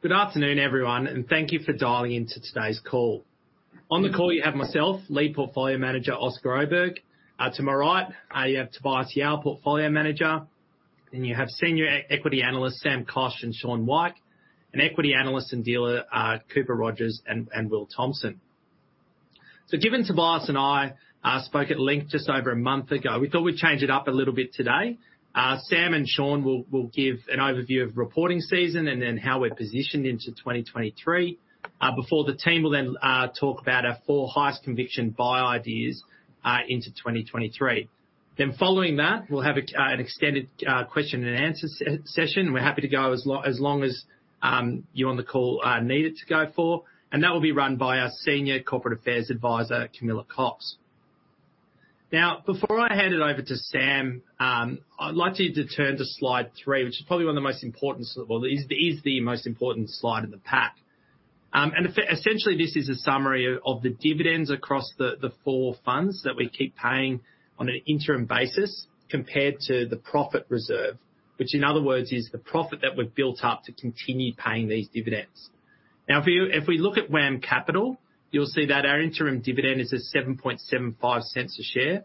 Good afternoon, everyone, and thank you for dialing into today's call. On the call you have myself, Lead Portfolio Manager, Oscar Oberg. To my right, you have Tobias Yao, Portfolio Manager, and you have Senior Equity Analysts, Sam Koch and Shaun Weick, and Equity Analysts and Dealer, Cooper Rogers and Will Thompson. Given Tobias and I spoke at length just over a month ago, we thought we'd change it up a little bit today. Sam and Shaun will give an overview of reporting season and then how we're positioned into 2023 before the team will then talk about our four highest conviction buy ideas into 2023. Following that, we'll have an extended question-and-answer session. We're happy to go as long as you on the call need it to go for, and that will be run by our Senior Corporate Affairs Advisor, Camilla Cox. Before I hand it over to Sam, I'd like you to turn to slide three, which is probably one of the most important Well, is the most important slide in the pack. And essentially, this is a summary of the dividends across the four funds that we keep paying on an interim basis compared to the profit reserve, which in other words, is the profit that we've built up to continue paying these dividends. If we look at WAM Capital, you'll see that our interim dividend is at 0.0775 a share.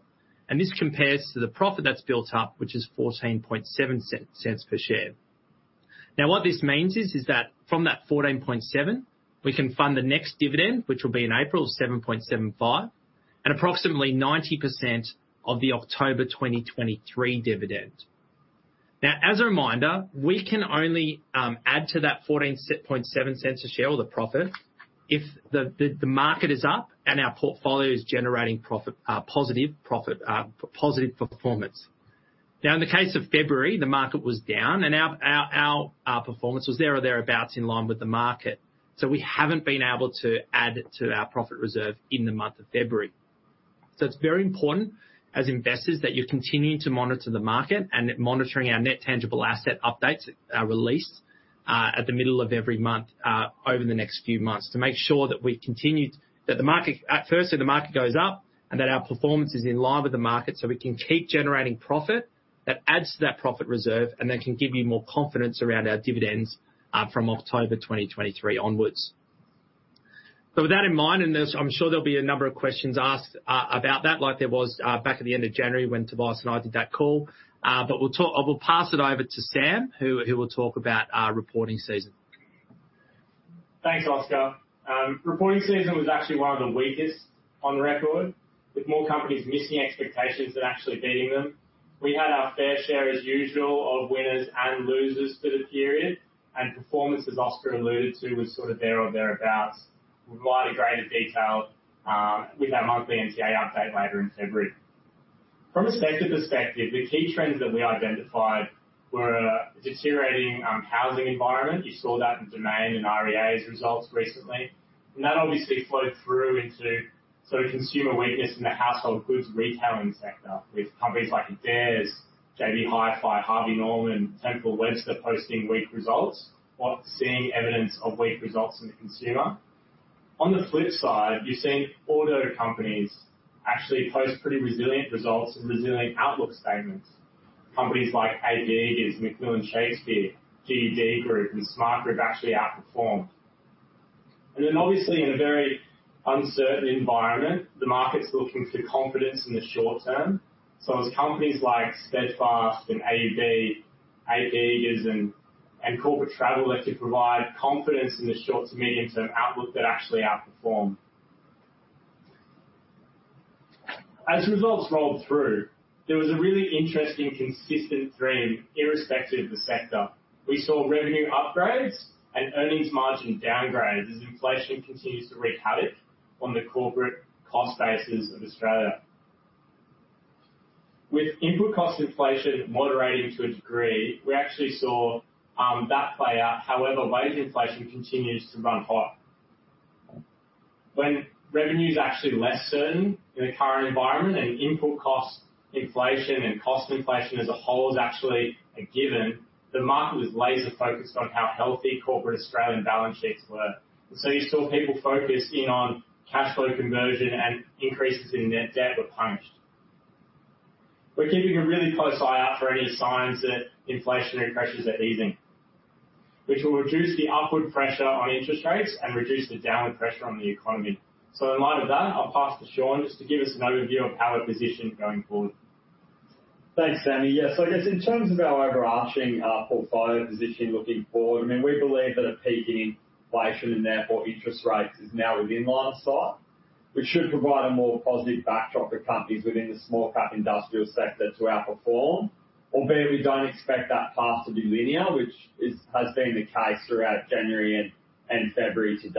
This compares to the profit that's built up, which is 0.147 per share. What this means is that from that 0.147, we can fund the next dividend, which will be in April of 0.0775, and approximately 90% of the October 2023 dividend. As a reminder, we can only add to that 0.147 a share or the profit if the market is up and our portfolio is generating profit, positive profit, positive performance. In the case of February, the market was down and our performance was there or thereabouts in line with the market. We haven't been able to add to our profit reserve in the month of February. It's very important as investors that you're continuing to monitor the market and monitoring our net tangible asset updates are released at the middle of every month over the next few months to make sure that we've continued. Firstly, the market goes up and that our performance is in line with the market, so we can keep generating profit that adds to that profit reserve and then can give you more confidence around our dividends from October 2023 onwards. With that in mind, I'm sure there'll be a number of questions asked about that, like there was back at the end of January when Tobias and I did that call. We'll talk... I will pass it over to Sam, who will talk about our reporting season. Thanks, Oscar. Reporting season was actually one of the weakest on record, with more companies missing expectations than actually beating them. We had our fair share, as usual, of winners and losers for the period, and performance, as Oscar alluded to, was sort of there or thereabouts with mightily greater detail with our monthly NTA update later in February. From a sector perspective, the key trends that we identified were a deteriorating housing environment. You saw that in Domain and REA's results recently. That obviously flowed through into sort of consumer weakness in the household goods retailing sector with companies like Adairs, JB Hi-Fi, Harvey Norman, Temple & Webster posting weak results whilst seeing evidence of weak results in the consumer. On the flip side, you're seeing auto companies actually post pretty resilient results and resilient outlook statements. Companies like A.P. Eagers, McMillan Shakespeare, G.U.D Holdings and Smartgroup actually outperformed. Obviously in a very uncertain environment, the market's looking for confidence in the short term. It was companies like Steadfast and AUB Group, A.P. Eagers and Corporate Travel that could provide confidence in the short to medium term outlook that actually outperformed. As results rolled through, there was a really interesting, consistent theme irrespective of the sector. We saw revenue upgrades and earnings margin downgrades as inflation continues to wreak havoc on the corporate cost bases of Australia. With input cost inflation moderating to a degree, we actually saw that play out. However, wage inflation continues to run hot. When revenue is actually less certain in the current environment and input cost inflation and cost inflation as a whole is actually a given, the market was laser-focused on how healthy corporate Australian balance sheets were. You saw people focus in on cash flow conversion and increases in net debt were punished. We're keeping a really close eye out for any signs that inflationary pressures are easing, which will reduce the upward pressure on interest rates and reduce the downward pressure on the economy. In light of that, I'll pass to Shaun just to give us an overview of how we're positioned going forward. Thanks, Sam. Yeah. I guess in terms of our overarching portfolio position looking forward, I mean, we believe that a peak in inflation and therefore interest rates is now within line of sight, which should provide a more positive backdrop for companies within the small cap industrial sector to outperform. Albeit we don't expect that path to be linear, which has been the case throughout January and February to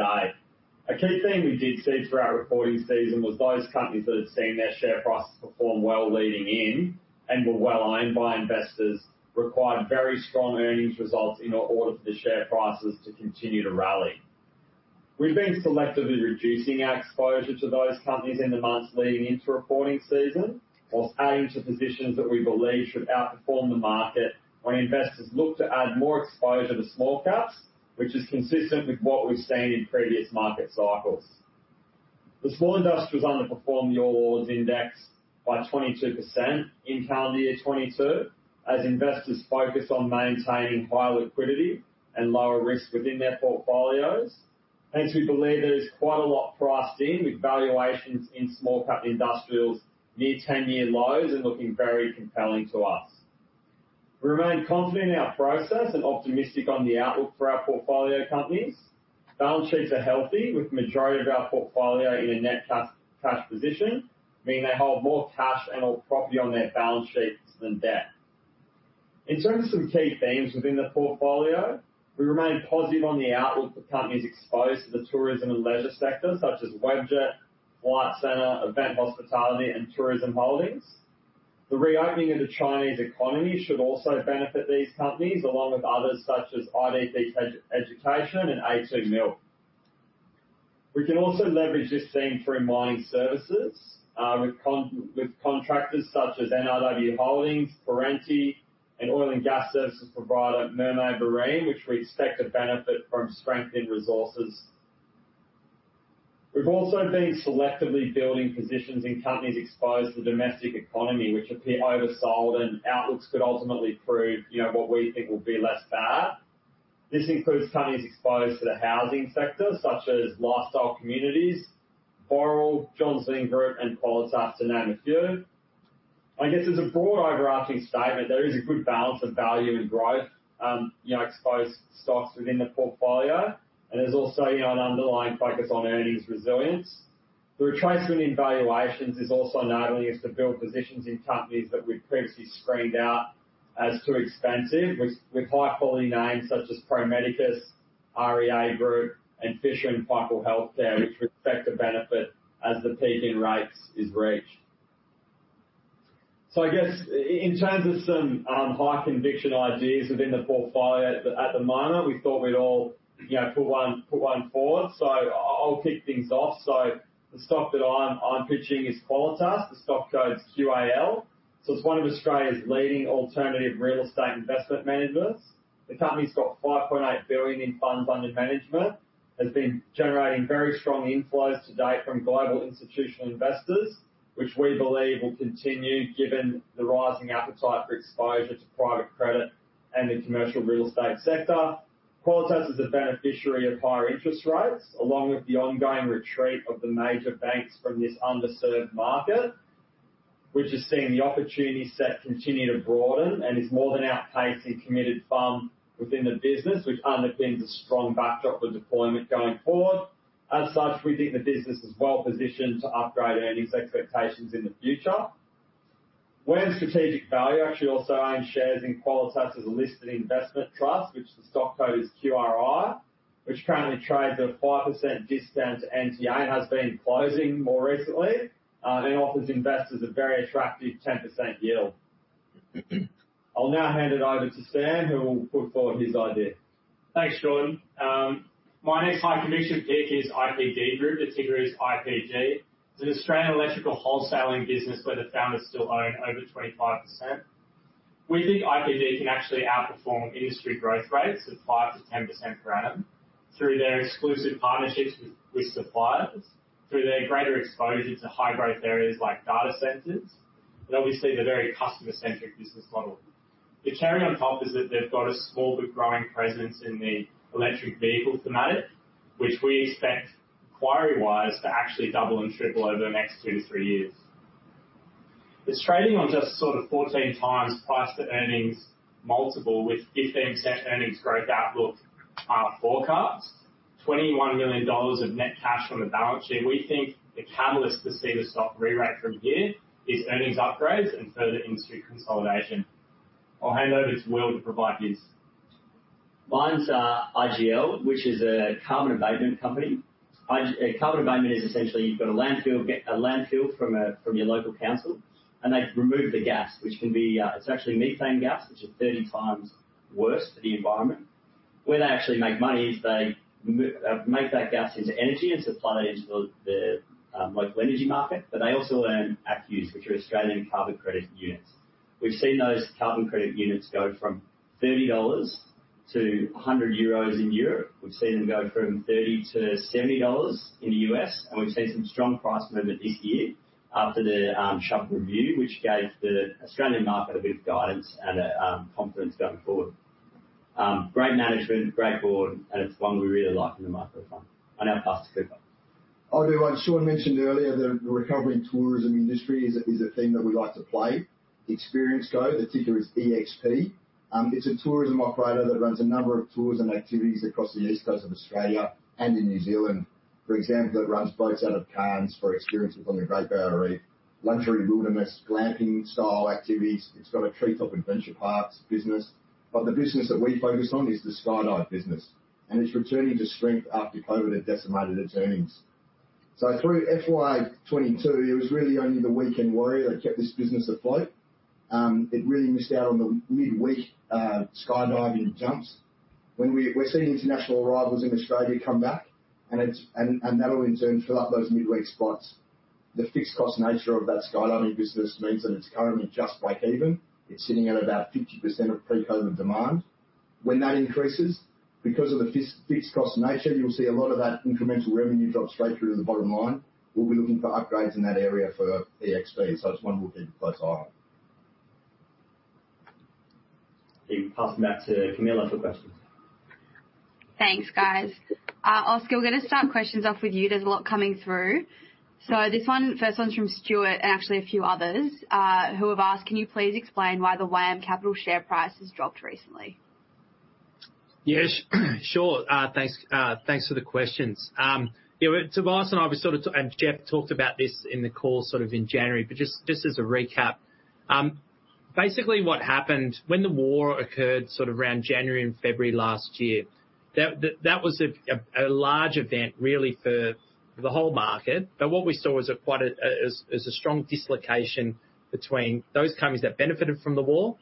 date. A key theme we did see throughout reporting season was those companies that had seen their share prices perform well leading in and were well owned by investors required very strong earnings results in order for the share prices to continue to rally. We've been selectively reducing our exposure to those companies in the months leading into reporting season, while adding to positions that we believe should outperform the market when investors look to add more exposure to small caps, which is consistent with what we've seen in previous market cycles. The small industrials underperformed the All Ords Index by 22% in calendar year 2022, as investors focus on maintaining high liquidity and lower risk within their portfolios. Hence, we believe there is quite a lot priced in with valuations in small cap industrials near 10-year lows and looking very compelling to us. We remain confident in our process and optimistic on the outlook for our portfolio companies. Balance sheets are healthy, with the majority of our portfolio in a net cash position, meaning they hold more cash and all property on their balance sheets than debt. In terms of some key themes within the portfolio, we remain positive on the outlook for companies exposed to the tourism and leisure sector such as Webjet, Flight Centre, Event Hospitality and Tourism Holdings. The reopening of the Chinese economy should also benefit these companies, along with others such as IDP Education and a2 Milk. We can also leverage this theme through mining services, with contractors such as NRW Holdings, Perenti and oil and gas services provider Mermaid Marine, which we expect to benefit from strength in resources. We've also been selectively building positions in companies exposed to domestic economy, which appear oversold and outlooks could ultimately prove, you know, what we think will be less bad. This includes companies exposed to the housing sector such as Lifestyle Communities, Boral, Johns Lyng Group and Qualitas to name a few. I guess as a broad overarching statement, there is a good balance of value and growth, you know, exposed stocks within the portfolio, and there's also, you know, an underlying focus on earnings resilience. The retracement in valuations is also enabling us to build positions in companies that we've previously screened out as too expensive, with high-quality names such as Pro Medicus, REA Group and Fisher & Paykel Healthcare, which we expect to benefit as the peak in rates is reached. I guess in terms of some high conviction ideas within the portfolio at the moment, we thought we'd all, you know, put one forward. I'll kick things off. The stock that I'm pitching is Qualitas. The stock code's QAL. It's one of Australia's leading alternative real estate investment managers. The company's got 5.8 billion in funds under management, has been generating very strong inflows to date from global institutional investors, which we believe will continue given the rising appetite for exposure to private credit and the commercial real estate sector. Qualitas is a beneficiary of higher interest rates, along with the ongoing retreat of the major banks from this underserved market, which has seen the opportunity set continue to broaden and is more than outpacing committed funds within the business, which underpins a strong backdrop for deployment going forward. As such, we think the business is well positioned to upgrade earnings expectations in the future. WAM Strategic Value actually also owns shares in Qualitas as a listed investment trust, which the stock code is QRI, which currently trades at a 5% discount to NTA and has been closing more recently, and offers investors a very attractive 10% yield. I'll now hand it over to Sam, who will put forward his idea. Thanks, Shaun. My next high conviction pick is IPD Group. The ticker is IPG. It's an Australian electrical wholesaling business where the founders still own over 25%. We think IPD can actually outperform industry growth rates of 5% to 10% per annum through their exclusive partnerships with suppliers, through their greater exposure to high-growth areas like data centers, and obviously the very customer-centric business model. The cherry on top is that they've got a small but growing presence in the electric vehicle thematic, which we expect inquiry-wise to actually double and triple over the next 2-3 years. It's trading on just sort of 14x price to earnings multiple with 15% earnings growth outlook forecast. 21 million dollars of net cash on the balance sheet. We think the catalyst to see the stock rerated from here is earnings upgrades and further industry consolidation. I'll hand over to Will to provide his. Mine's LGI, which is a carbon abatement company. Carbon abatement is essentially you've got a landfill, a landfill from a, from your local council, and they remove the gas, which can be. It's actually methane gas, which is 30 times worse for the environment. Where they actually make money is they make that gas into energy and supply it into the local energy market, they also earn ACCUs, which are Australian Carbon Credit Units. We've seen those carbon credit units go from 30 dollars to 100 euros in Europe. We've seen them go from $30 to $70 in the U.S., we've seen some strong price movement this year after the Chubb Review, which gave the Australian market a bit of guidance and a confidence going forward. Great management, great board, and it's one we really like in the micro fund. I now pass to Cooper. I'll do one Shaun mentioned earlier. The recovery in tourism industry is a theme that we like to play. Experience Co, the ticker is EXP. It's a tourism operator that runs a number of tours and activities across the East Coast of Australia and in New Zealand. For example, it runs boats out of Cairns for experiences on the Great Barrier Reef, luxury wilderness glamping style activities. It's got a treetop adventure parks business. The business that we focus on is the skydive business, and it's returning to strength after COVID had decimated its earnings. Through FY 2022, it was really only the weekend warrior that kept this business afloat. It really missed out on the midweek skydiving jumps. We're seeing international arrivals in Australia come back and that'll in turn fill up those midweek spots. The fixed cost nature of that Skydive business means that it's currently just break-even. It's sitting at about 50% of pre-COVID demand. When that increases, because of the fixed cost nature, you'll see a lot of that incremental revenue drop straight through to the bottom line. We'll be looking for upgrades in that area for EXP. It's one we'll keep close eye on. Passing back to Camilla for questions. Thanks, guys. Oscar, we're gonna start questions off with you. There's a lot coming through. The first one's from Stuart and actually a few others, who have asked, "Can you please explain why the WAM Capital share price has dropped recently? Yes, sure. Thanks, thanks for the questions. Yeah, Tobias and I were sort of and Jeff talked about this in the call sort of in January, just as a recap. Basically what happened, when the war occurred sort of around January and February 2022, that was a large event really for the whole market. What we saw was quite a strong dislocation between those companies that benefited from the war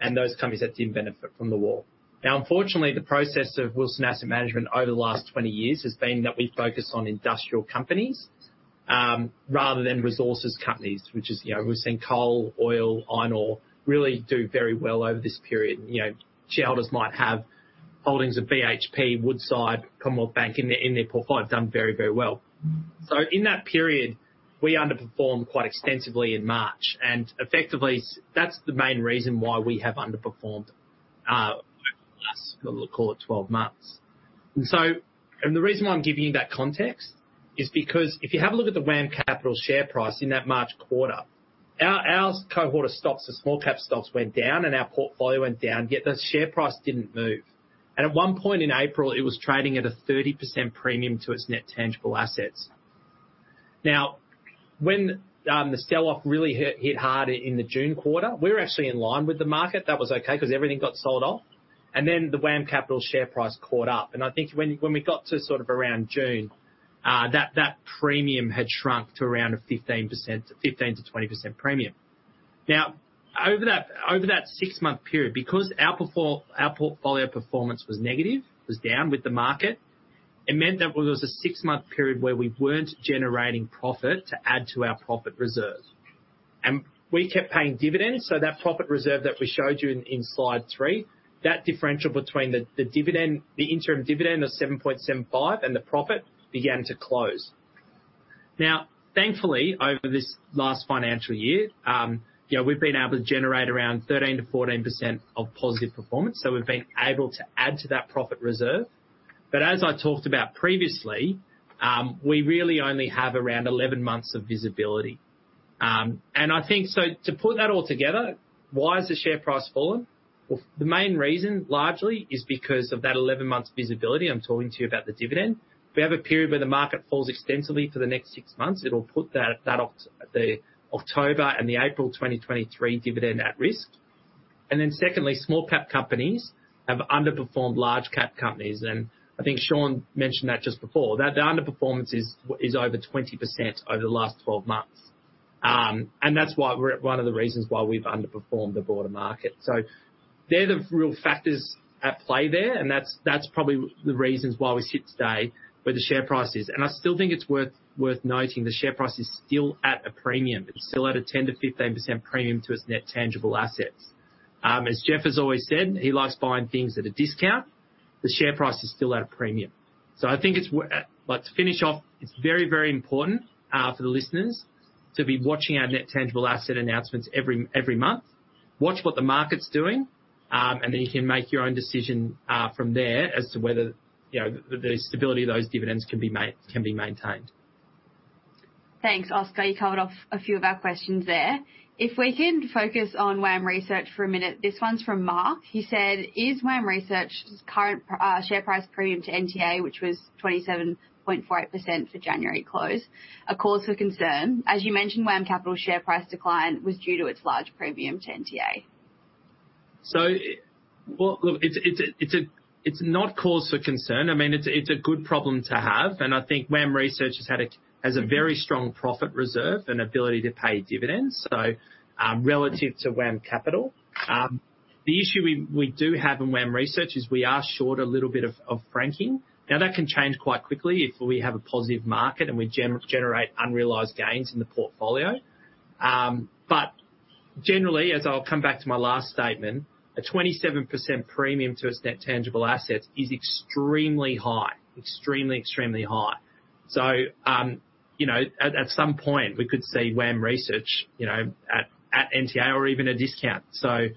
and those companies that didn't benefit from the war. Unfortunately, the process of Wilson Asset Management over the last 20 years has been that we focus on industrial companies, rather than resources companies, which is, you know, we've seen coal, oil, iron ore really do very well over this period. You know, shareholders might have holdings of BHP, Woodside, Commonwealth Bank in their portfolio have done very, very well. In that period, we underperformed quite extensively in March, and effectively that's the main reason why we have underperformed over the last, we'll call it 12 months. The reason why I'm giving you that context is because if you have a look at the WAM Capital share price in that March quarter, our cohort of stocks, the small cap stocks went down, and our portfolio went down, yet the share price didn't move. At one point in April, it was trading at a 30% premium to its net tangible assets. Now, when the sell-off really hit hard in the June quarter, we were actually in line with the market. That was okay 'cause everything got sold off. The WAM Capital share price caught up. I think when we got to sort of around June, that premium had shrunk to around a 15%-20% premium. Over that, over that six-month period, because our portfolio performance was negative, it was down with the market, it meant that there was a six-month period where we weren't generating profit to add to our profit reserve. We kept paying dividends, so that profit reserve that we showed you in slide three, that differential between the dividend, the interim dividend of 7.75 and the profit began to close. Thankfully, over this last financial year, you know, we've been able to generate around 13%-14% of positive performance, so we've been able to add to that profit reserve. As I talked about previously, we really only have around 11 months of visibility. To put that all together, why has the share price fallen? The main reason, largely, is because of that 11 months visibility I'm talking to you about the dividend. If we have a period where the market falls extensively for the next 6 months, it'll put that the October and the April 2023 dividend at risk. Then secondly, small cap companies have underperformed large cap companies, and I think Shaun mentioned that just before. The underperformance is over 20% over the last 12 months. And that's why we're one of the reasons why we've underperformed the broader market. They're the real factors at play there, and that's probably the reasons why we sit today where the share price is. I still think it's worth noting the share price is still at a premium. It's still at a 10%-15% premium to its net tangible assets. As Jeff has always said, he likes buying things at a discount. The share price is still at a premium. I think it's but to finish off, it's very, very important for the listeners to be watching our net tangible asset announcements every month. Watch what the market's doing, and then you can make your own decision from there as to whether, you know, the stability of those dividends can be maintained. Thanks, Oscar. You covered off a few of our questions there. If we can focus on WAM Research for a minute. This one's from Mark. He said, "Is WAM Research's current share price premium to NTA, which was 27.48% for January close, a cause for concern? As you mentioned, WAM Capital share price decline was due to its large premium to NTA. Well, look, it's not cause for concern. I mean, it's a good problem to have, and I think WAM Research has a very strong profit reserve and ability to pay dividends. Relative to WAM Capital, the issue we do have in WAM Research is we are short a little bit of franking. That can change quite quickly if we have a positive market and we generate unrealized gains in the portfolio. Generally, as I'll come back to my last statement, a 27% premium to its net tangible assets is extremely high. Extremely high. You know, at some point, we could see WAM Research, you know, at NTA or even a discount. I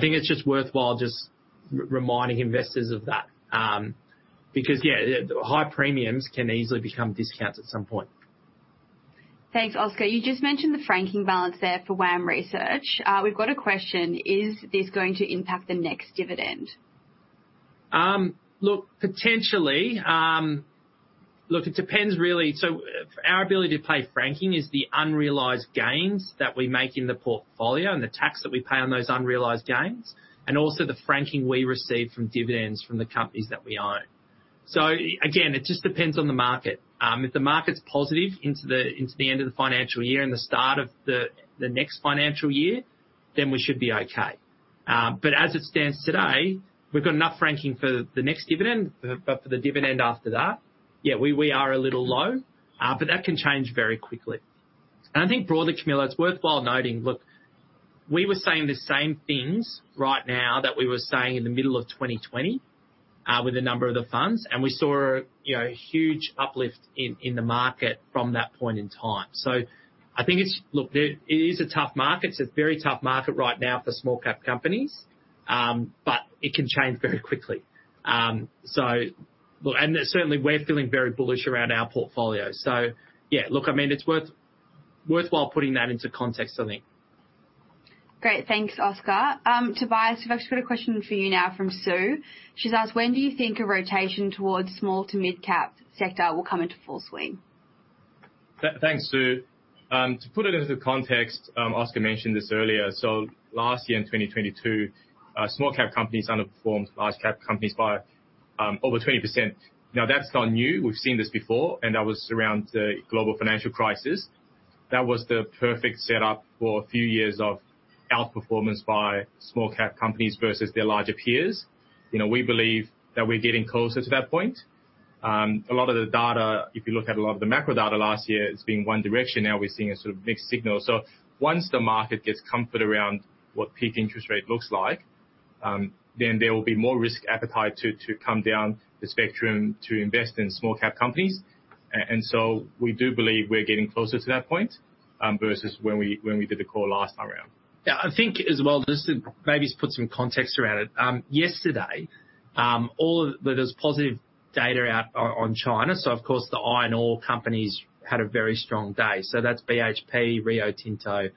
think it's just worthwhile just reminding investors of that, because yeah, high premiums can easily become discounts at some point. Thanks, Oscar. You just mentioned the franking balance there for WAM Research. We've got a question: Is this going to impact the next dividend? Look, potentially. Look, it depends really. Our ability to pay franking is the unrealized gains that we make in the portfolio and the tax that we pay on those unrealized gains, and also the franking we receive from dividends from the companies that we own. Again, it just depends on the market. If the market's positive into the, into the end of the financial year and the start of the next financial year, then we should be okay. But as it stands today, we've got enough franking for the next dividend, but for the dividend after that, yeah, we are a little low, but that can change very quickly. I think broadly, Camilla, it's worthwhile noting, look, we were saying the same things right now that we were saying in the middle of 2020 with a number of the funds, and we saw, you know, huge uplift in the market from that point in time. I think it is a tough market. It's a very tough market right now for small cap companies, but it can change very quickly. Look, and certainly we're feeling very bullish around our portfolio. Yeah, look, I mean, it's worthwhile putting that into context, I think. Great. Thanks, Oscar. Tobias, I've actually got a question for you now from Sue. She's asked, "When do you think a rotation towards small to mid-cap sector will come into full swing? Thanks, Sue. To put it into context, Oscar mentioned this earlier. Last year in 2022, small cap companies underperformed large cap companies by over 20%. That's not new. We've seen this before. That was around the global financial crisis. That was the perfect setup for a few years of outperformance by small cap companies versus their larger peers. You know, we believe that we're getting closer to that point. A lot of the data, if you look at a lot of the macro data last year, it's been one direction. We're seeing a sort of mixed signal. Once the market gets comfort around what peak interest rate looks like, then there will be more risk appetite to come down the spectrum to invest in small cap companies. We do believe we're getting closer to that point, versus when we did the call last time around. Yeah, I think as well, just to maybe to put some context around it. Yesterday, there was positive data out on China, of course the iron ore companies had a very strong day. That's BHP, Rio Tinto,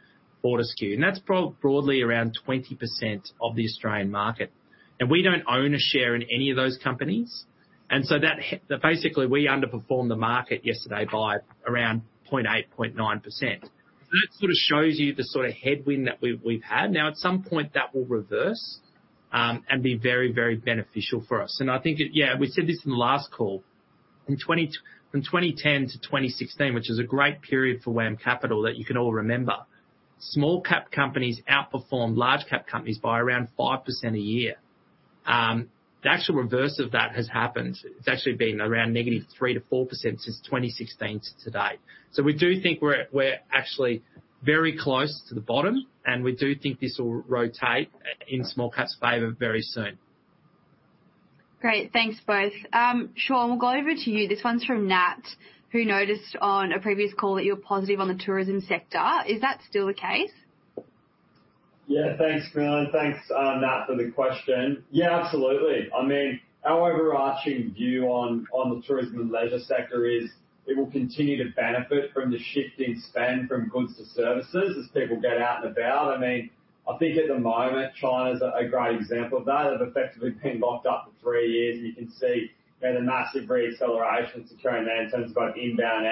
Fortescue, and that's broadly around 20% of the Australian market. We don't own a share in any of those companies. That basically, we underperformed the market yesterday by around 0.8%-0.9%. That sort of shows you the sort of headwind that we've had. At some point, that will reverse and be very, very beneficial for us. I think it. Yeah, we said this in the last call. From 2010 to 2016, which is a great period for WAM Capital that you can all remember, small cap companies outperformed large cap companies by around 5% a year. The actual reverse of that has happened. It's actually been around -3% to -4% since 2016 to today. We do think we're actually very close to the bottom, and we do think this will rotate in small cap's favor very soon. Great. Thanks, both. Shaun, we'll go over to you. This one's from Nat, who noticed on a previous call that you were positive on the tourism sector. Is that still the case? Thanks, Camilla, and thanks, Nat, for the question. Absolutely. I mean, our overarching view on the tourism and leisure sector is it will continue to benefit from the shift in spend from goods to services as people get out and about. I mean, I think at the moment China's a great example of that. They've effectively been locked up for three years, and you can see they had a massive re-acceleration to turn there in terms of both inbound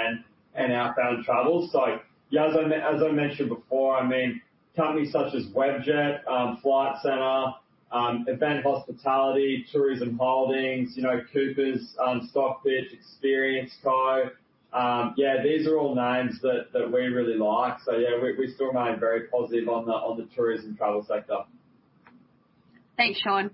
and outbound travel. As I mentioned before, I mean, companies such as Webjet, Flight Centre, Event Hospitality, Tourism Holdings, you know, Coopers, Stockbridge, Experience Co. These are all names that we really like. We still remain very positive on the tourism and travel sector. Thanks, Shaun.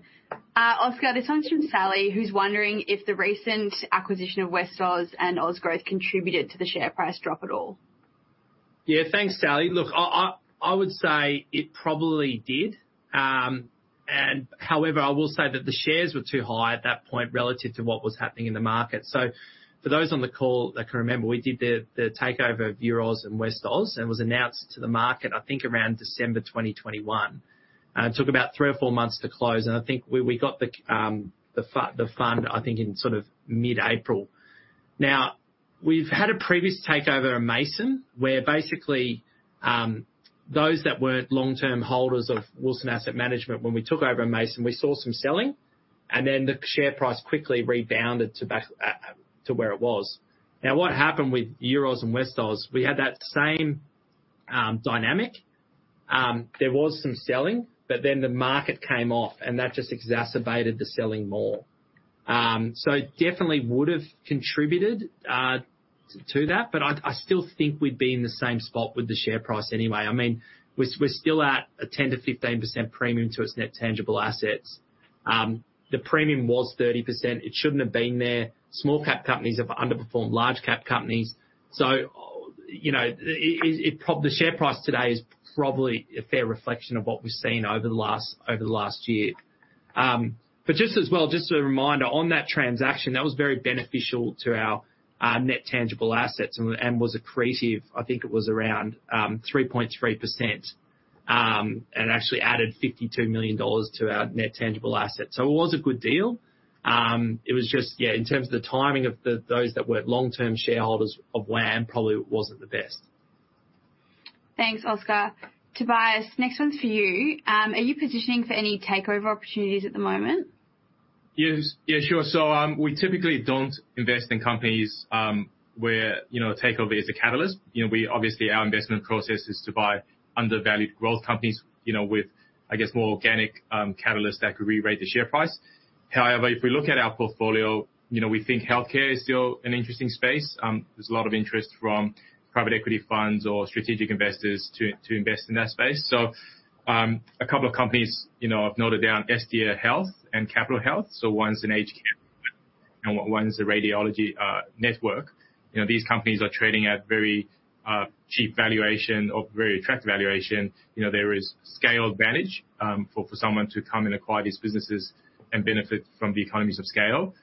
Oscar, this one's from Sally, who's wondering if the recent acquisition of Westoz and Ozgrowth contributed to the share price drop at all. Thanks, Sally. Look, I would say it probably did. However, I will say that the shares were too high at that point relative to what was happening in the market. For those on the call that can remember, we did the takeover of Euroz and Westoz, and it was announced to the market, I think, around December 2021. It took about 3 or 4 months to close, and I think we got the fund, I think, in sort of mid-April. We've had a previous takeover at Mason, where basically, those that weren't long-term holders of Wilson Asset Management, when we took over Mason, we saw some selling, and then the share price quickly rebounded to back to where it was. What happened with Euroz and Westoz, we had that same dynamic. There was some selling, the market came off, and that just exacerbated the selling more. It definitely would've contributed to that, I still think we'd be in the same spot with the share price anyway. I mean, we're still at a 10%-15% premium to its net tangible assets. The premium was 30%. It shouldn't have been there. Small cap companies have underperformed large cap companies. You know, the share price today is probably a fair reflection of what we've seen over the last year. Just as well, just as a reminder, on that transaction, that was very beneficial to our net tangible assets and was accretive. I think it was around 3.3% and actually added 52 million dollars to our net tangible assets. It was a good deal. It was just, yeah, in terms of the timing of those that were long-term shareholders of WAM, probably wasn't the best. Thanks, Oscar. Tobias, next one's for you. Are you positioning for any takeover opportunities at the moment? Yes. Yeah, sure. We typically don't invest in companies, where, you know, a takeover is a catalyst. You know, obviously, our investment process is to buy undervalued growth companies, you know, with, I guess, more organic catalysts that could rerate the share price. If we look at our portfolio, you know, we think healthcare is still an interesting space. There's a lot of interest from private equity funds or strategic investors to invest in that space. A couple of companies, you know, I've noted down, SDA Health and Capitol Health, so one's an aged care. And one's a radiology network. You know, these companies are trading at very cheap valuation or very attractive valuation. You know, there is scale advantage for someone to come and acquire these businesses and benefit from the economies of scale.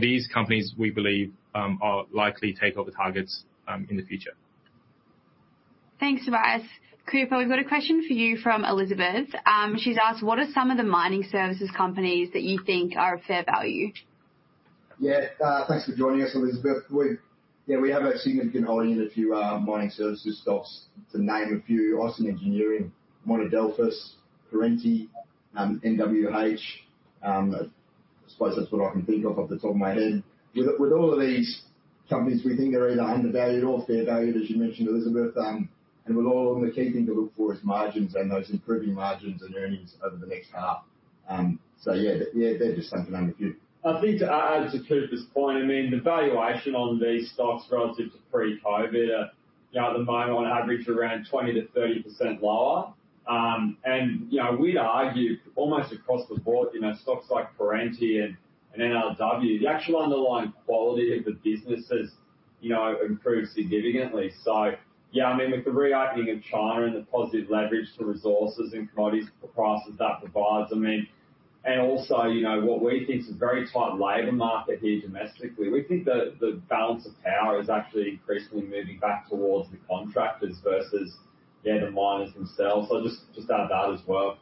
These companies, we believe, are likely takeover targets in the future. Thanks, Tobias. Cooper, we've got a question for you from Elizabeth. She's asked: What are some of the mining services companies that you think are of fair value? Yeah. Thanks for joining us, Elizabeth. We have a significant holding in a few mining services stocks. To name a few, Austin Engineering, Monadelphous, Perenti, NWH. I suppose that's what I can think of off the top of my head. With all of these companies, we think they're either undervalued or fair valued, as you mentioned, Elizabeth. With all of them, the key thing to look for is margins and those improving margins and earnings over the next half. Yeah, they're just some to name a few. I think to add to Cooper's point, I mean, the valuation on these stocks relative to pre-COVID are, you know, at the moment on average around 20%-30% lower. You know, we'd argue almost across the board, you know, stocks like Perenti and NRW, the actual underlying quality of the businesses, you know, improved significantly. Yeah, I mean, with the reopening of China and the positive leverage to resources and commodities prices that provides, I mean, also, you know, what we think is a very tight labor market here domestically, we think the balance of power is actually increasingly moving back towards the contractors versus, yeah, the miners themselves. Just add that as well.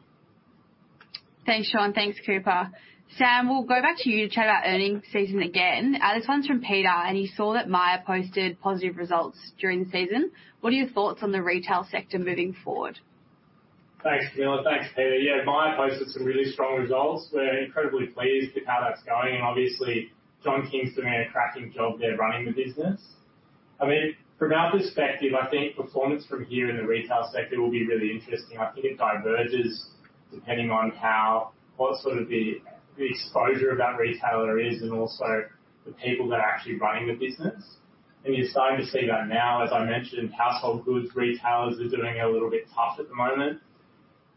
Thanks, Shaun. Thanks, Cooper. Sam, we'll go back to you to chat about earnings season again. This one's from Peter. He saw that Myer posted positive results during the season. What are your thoughts on the retail sector moving forward? Thanks, Camilla. Thanks, Peter. Yeah, Myer posted some really strong results. We're incredibly pleased with how that's going and obviously John King doing a cracking job there running the business. I mean, from our perspective, I think performance from here in the retail sector will be really interesting. I think it diverges depending on what sort of the exposure of that retailer is and also the people that are actually running the business. You're starting to see that now. As I mentioned, household goods, retailers are doing it a little bit tough at the moment.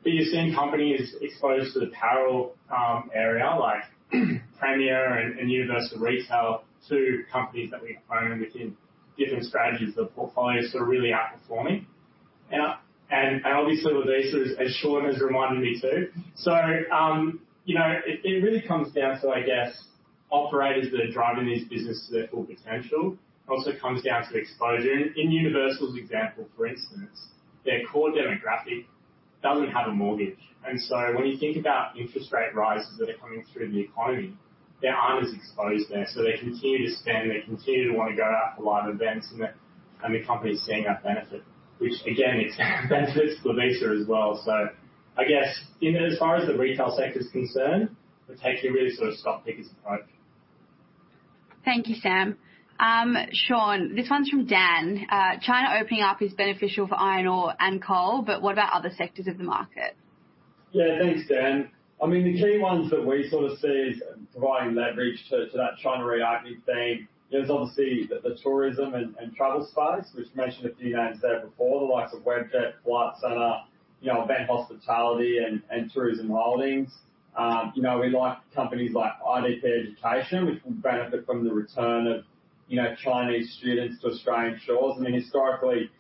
You're seeing companies exposed to the apparel, area like Premier and Universal Retail, two companies that we own within different strategies of the portfolio, so are really outperforming. Obviously with these, as Shaun has reminded me, too. You know, it really comes down to, I guess, operators that are driving these businesses to their full potential. It also comes down to exposure. In Universal's example, for instance, their core demographic doesn't have a mortgage. When you think about interest rate rises that are coming through the economy, they aren't as exposed there, so they continue to spend, they continue to wanna go out for live events, and the company is seeing that benefit, which again benefits Lovisa as well. I guess in as far as the retail sector is concerned, it takes a really sort of stock picker's approach. Thank you, Sam. Shaun, this one's from Dan. China opening up is beneficial for iron ore and coal. What about other sectors of the market? Yeah. Thanks, Dan. I mean, the key ones that we sort of see providing leverage to that China reopening theme is obviously the tourism and travel space. We've mentioned a few names there before, the likes of Webjet, Flight Centre, you know, Event Hospitality and Tourism Holdings. You know, we like companies like IDP Education, which will benefit from the return of, you know, Chinese students to Australian shores. I mean, historically,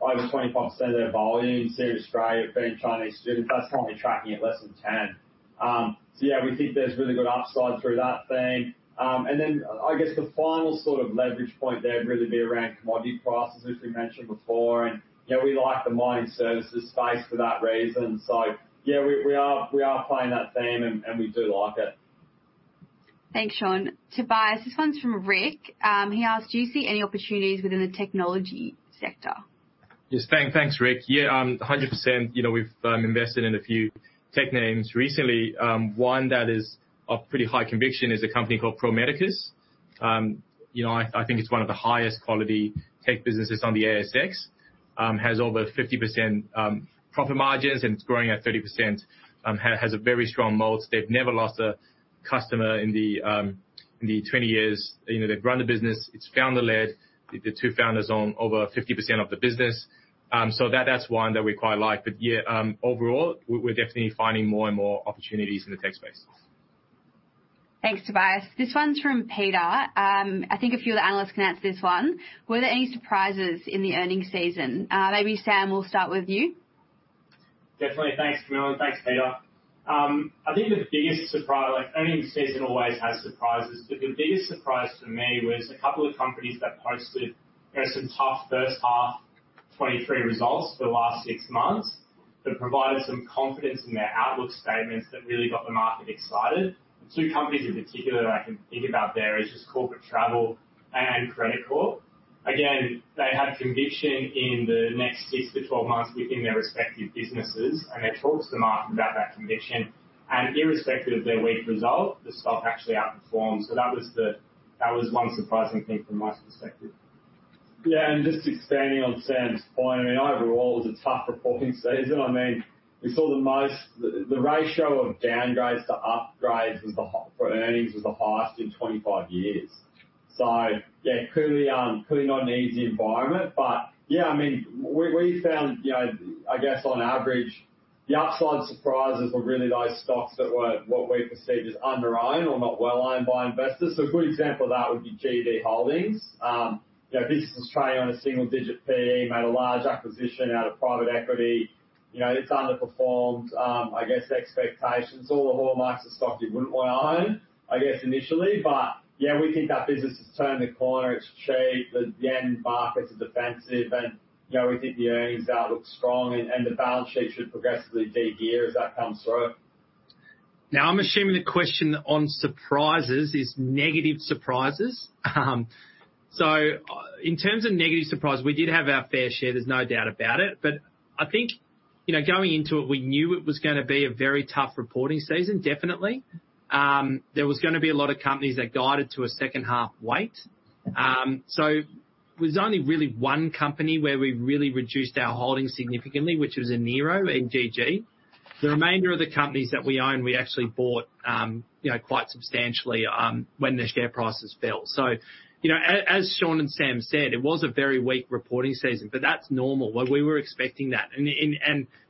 over 25% of their volume seen in Australia have been Chinese students. That's currently tracking at less than 10. Yeah, we think there's really good upside through that theme. I guess the final sort of leverage point there would really be around commodity prices, as we mentioned before. You know, we like the mining services space for that reason. Yeah, we are playing that theme and we do like it. Thanks, Shaun. Tobias, this one's from Rick. He asks: Do you see any opportunities within the technology sector? Yes. Thanks, Rick. Yeah, 100%. You know, we've invested in a few tech names recently. One that is of pretty high conviction is a company called Pro Medicus. You know, I think it's one of the highest quality tech businesses on the ASX. Has over 50% profit margins, and it's growing at 30%. Has a very strong moat. They've never lost a customer in the 20 years, you know, they've run the business. It's founder-led. The 2 founders own over 50% of the business. So that's one that we quite like. Yeah, overall, we're definitely finding more and more opportunities in the tech space. Thanks, Tobias. This one's from Peter. I think a few of the analysts can answer this one. Were there any surprises in the earnings season? Maybe Sam, we'll start with you. Definitely. Thanks, Camilla. Thanks, Peter. I think the biggest surprise. Like, earnings season always has surprises, but the biggest surprise for me was a couple of companies that posted, you know, some tough first half 2023 results for the last six months, but provided some confidence in their outlook statements that really got the market excited. Two companies in particular that I can think about there is just Corporate Travel and Credit Corp. Again, they have conviction in the next six to 12 months within their respective businesses, and they talked to the market about that conviction. Irrespective of their weak result, the stock actually outperformed. That was one surprising thing from my perspective. Yeah. Just expanding on Sam's point, I mean, overall, it was a tough reporting season. I mean, we saw the ratio of downgrades to upgrades for earnings was the highest in 25 years. Yeah, clearly not an easy environment. Yeah, I mean, we found, you know, I guess on average, the upside surprises were really those stocks that were, what we perceived as underowned or not well-owned by investors. A good example of that would be G.U.D Holdings. You know, business was trading on a single-digit PE, made a large acquisition out of private equity. You know, it's underperformed, I guess expectations. All the hallmarks of stock you wouldn't wanna own, I guess, initially. Yeah, we think that business has turned the corner. It's cheap. The end market is defensive and, you know, we think the earnings now look strong and the balance sheet should progressively de-gear as that comes through. I'm assuming the question on surprises is negative surprises. In terms of negative surprise, we did have our fair share, there's no doubt about it. I think, you know, going into it, we knew it was gonna be a very tough reporting season, definitely. There was gonna be a lot of companies that guided to a second half wait. There was only really one company where we really reduced our holdings significantly, which was Enero, AGG. The remainder of the companies that we own, we actually bought, you know, quite substantially, when the share prices fell. You know, as Shaun and Sam said, it was a very weak reporting season, but that's normal. Well, we were expecting that.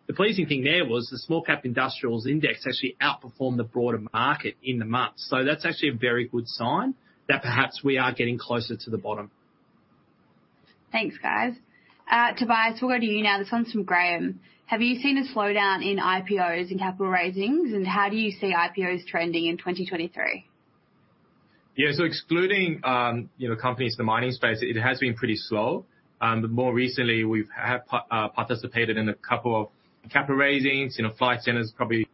The pleasing thing there was the small cap industrials index actually outperformed the broader market in the month. That's actually a very good sign that perhaps we are getting closer to the bottom. Thanks, guys. Tobias, we'll go to you now. This one's from Graham. Have you seen a slowdown in IPOs and capital raisings? How do you see IPOs trending in 2023? Yeah. Excluding, you know, companies in the mining space, it has been pretty slow. More recently, we've participated in a couple of capital raisings. You know, Flight Centre's probably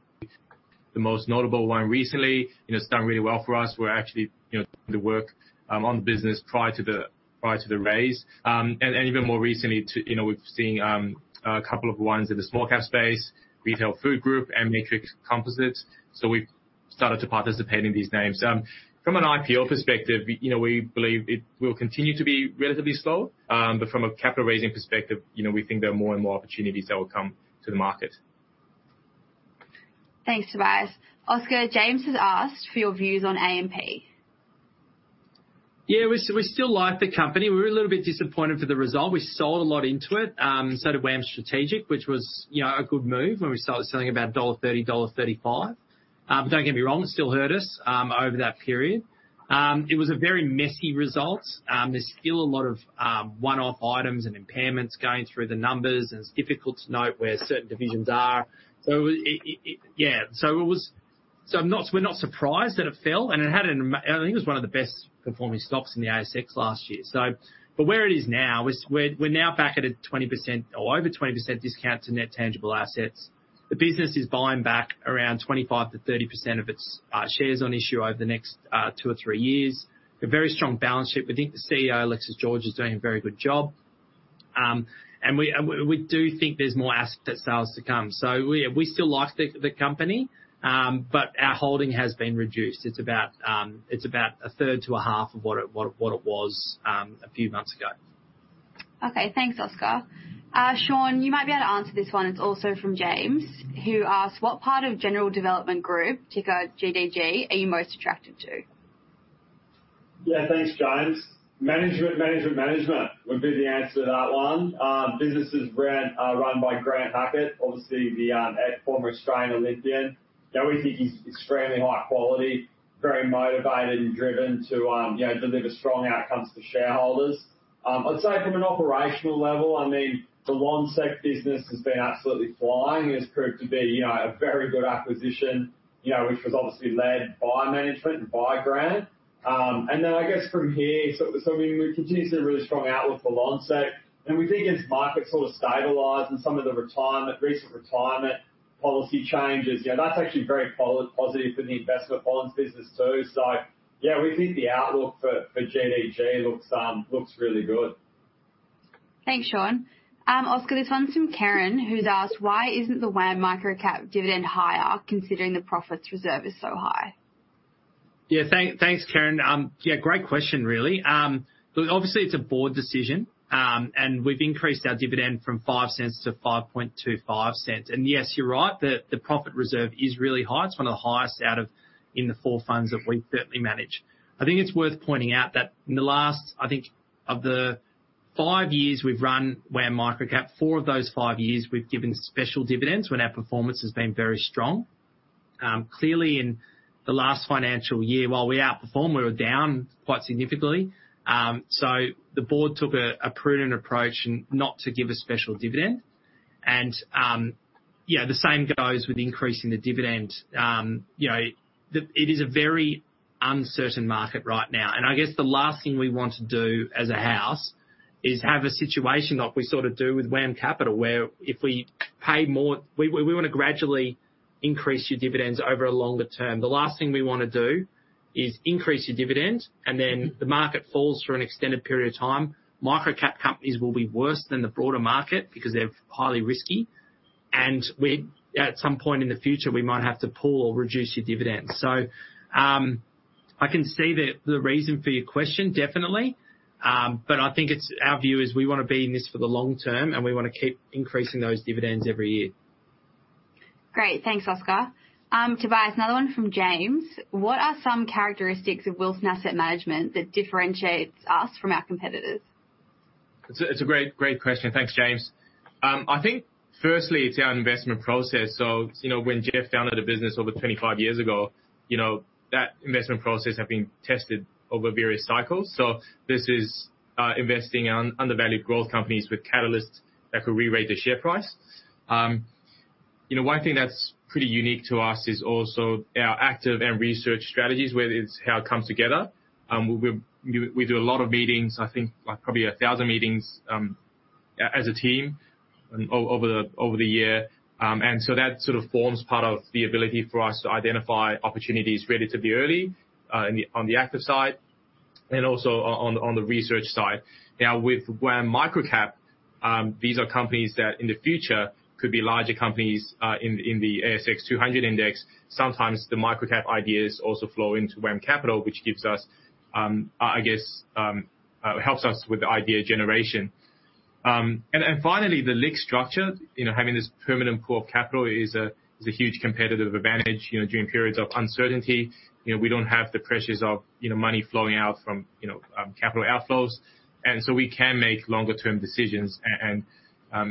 the most notable one recently. You know, it's done really well for us. We're actually, you know, doing the work on the business prior to the raise. Even more recently to, you know, we've seen a couple of ones in the small cap space, Retail Food Group and Matrix Composites. We've started to participate in these names. From an IPO perspective, you know, we believe it will continue to be relatively slow. From a capital raising perspective, you know, we think there are more and more opportunities that will come to the market. Thanks, Tobias. Oscar, James has asked for your views on AMP. Yeah, we still like the company. We're a little bit disappointed with the result. We sold a lot into it, so did WAM Strategic, which was, you know, a good move when we started selling about dollar 1.30, dollar 1.35. Don't get me wrong, it still hurt us over that period. It was a very messy result. There's still a lot of one-off items and impairments going through the numbers, and it's difficult to note where certain divisions are. Yeah. I'm not surprised that it fell, and it had I think it was one of the best performing stocks in the ASX last year. Where it is now is we're now back at a 20% or over 20% discount to net tangible assets. The business is buying back around 25%-30% of its shares on issue over the next 2 or 3 years. A very strong balance sheet. We think the CEO, Alexis George, is doing a very good job. We do think there's more asset sales to come. We still like the company, but our holding has been reduced. It's about a third to a half of what it was a few months ago. Okay. Thanks, Oscar. Shaun, you might be able to answer this one. It's also from James, who asks: What part of General Development Group, ticker GDG, are you most attracted to? Thanks, James. Management would be the answer to that one. Business is run by Grant Hackett, obviously the former Australian Olympian. You know, we think he's extremely high quality, very motivated and driven to, you know, deliver strong outcomes for shareholders. I'd say from an operational level, I mean, the Loan Sec business has been absolutely flying. It's proved to be, you know, a very good acquisition, you know, which was obviously led by management and by Grant. I guess from here, we continue to see a really strong outlook for Loan Sec, and we think as markets sort of stabilize and some of the retirement, recent retirement policy changes, you know, that's actually very positive for the investment loans business too. Yeah, we think the outlook for GDG looks really good. Thanks, Shaun. Oscar, this one's from Karen, who's asked: Why isn't the WAM Microcap dividend higher, considering the profits reserve is so high? Thanks, Karen. Great question, really. Look, obviously it's a board decision. We've increased our dividend from 0.05 to 0.0525. Yes, you're right, the profit reserve is really high. It's one of the highest out of in the 4 funds that we currently manage. I think it's worth pointing out that in the last, I think of the 5 years we've run WAM Microcap, 4 of those 5 years, we've given special dividends when our performance has been very strong. Clearly in the last financial year, while we outperformed, we were down quite significantly. The board took a prudent approach not to give a special dividend. The same goes with increasing the dividend. you know, it is a very uncertain market right now, and I guess the last thing we want to do as a house is have a situation like we sort of do with WAM Capital, where if we pay more. We wanna gradually increase your dividends over a longer term. The last thing we wanna do is increase your dividend, and then the market falls for an extended period of time. Micro-cap companies will be worse than the broader market because they're highly risky. At some point in the future, we might have to pull or reduce your dividends. I can see the reason for your question, definitely. I think our view is we wanna be in this for the long term, and we wanna keep increasing those dividends every year. Great. Thanks, Oscar. Tobias, another one from James. What are some characteristics of Wilson Asset Management that differentiates us from our competitors? It's a great question. Thanks, James. I think firstly it's our investment process. You know, when Jeff founded the business over 25 years ago, you know, that investment process had been tested over various cycles. This is investing in undervalued growth companies with catalysts that could rerate the share price. You know, one thing that's pretty unique to us is also our active and research strategies, whether it's how it comes together. We do a lot of meetings, I think like probably 1,000 meetings, as a team over the year. That sort of forms part of the ability for us to identify opportunities relatively early on the active side and also on the research side. Now with WAM Microcap, these are companies that in the future could be larger companies in the ASX 200 index. Sometimes the micro-cap ideas also flow into WAM Capital, which gives us, I guess, helps us with the idea generation. Finally the LIC structure. You know, having this permanent pool of capital is a huge competitive advantage, you know, during periods of uncertainty. You know, we don't have the pressures of, you know, money flowing out from, you know, capital outflows. We can make longer term decisions and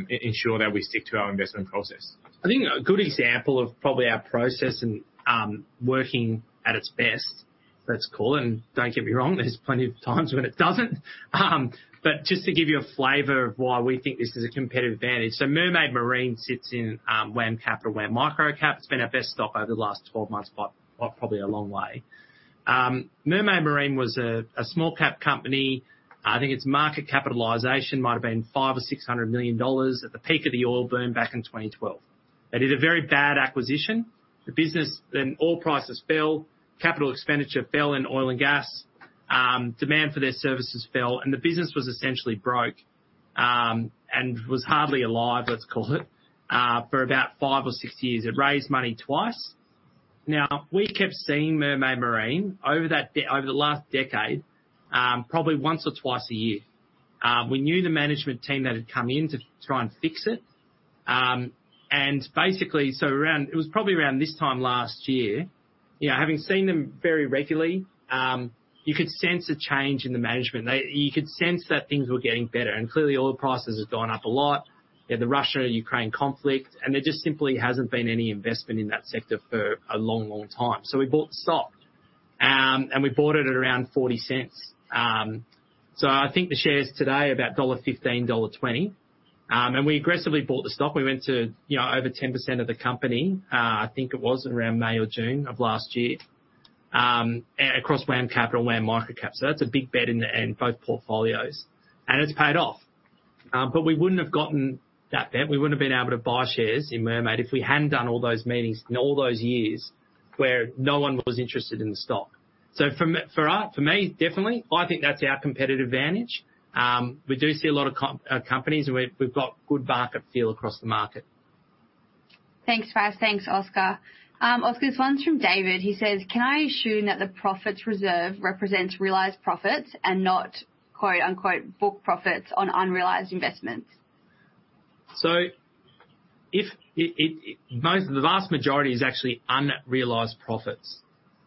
ensure that we stick to our investment process. I think a good example of probably our process and working at its best, let's call it, and don't get me wrong, there's plenty of times when it doesn't. Just to give you a flavor of why we think this is a competitive advantage. Mermaid Marine sits in WAM Capital, WAM Microcap. It's been our best stock over the last 12 months by probably a long way. Mermaid Marine was a small cap company. I think its market capitalization might have been $500 million or $600 million at the peak of the oil boom back in 2012. They did a very bad acquisition. The business. Oil prices fell, capital expenditure fell in oil and gas. Demand for their services fell, and the business was essentially broke, and was hardly alive, let's call it, for about five or six years. It raised money twice. We kept seeing Mermaid Marine over the last decade, probably once or twice a year. We knew the management team that had come in to try and fix it. Basically, it was probably around this time last year, you know, having seen them very regularly, you could sense a change in the management. You could sense that things were getting better. Clearly oil prices have gone up a lot. You know, the Russia and Ukraine conflict, and there just simply hasn't been any investment in that sector for a long, long time. We bought the stock, and we bought it at around 0.40. I think the share is today about AUD 1.15-AUD 1.20. We aggressively bought the stock. We went to, you know, over 10% of the company, I think it was around May or June of 2023, across WAM Capital, WAM Microcap. That's a big bet in the, in both portfolios, and it's paid off. We wouldn't have gotten that bet. We wouldn't have been able to buy shares in Mermaid if we hadn't done all those meetings in all those years where no one was interested in the stock. For me, definitely, I think that's our competitive advantage. We do see a lot of companies and we've got good market feel across the market. Thanks, Tobias. Thanks, Oscar. Oscar, this one's from David. He says, "Can I assume that the profits reserve represents realized profits and not quote-unquote book profits on unrealized investments? If Most of the vast majority is actually unrealized profits,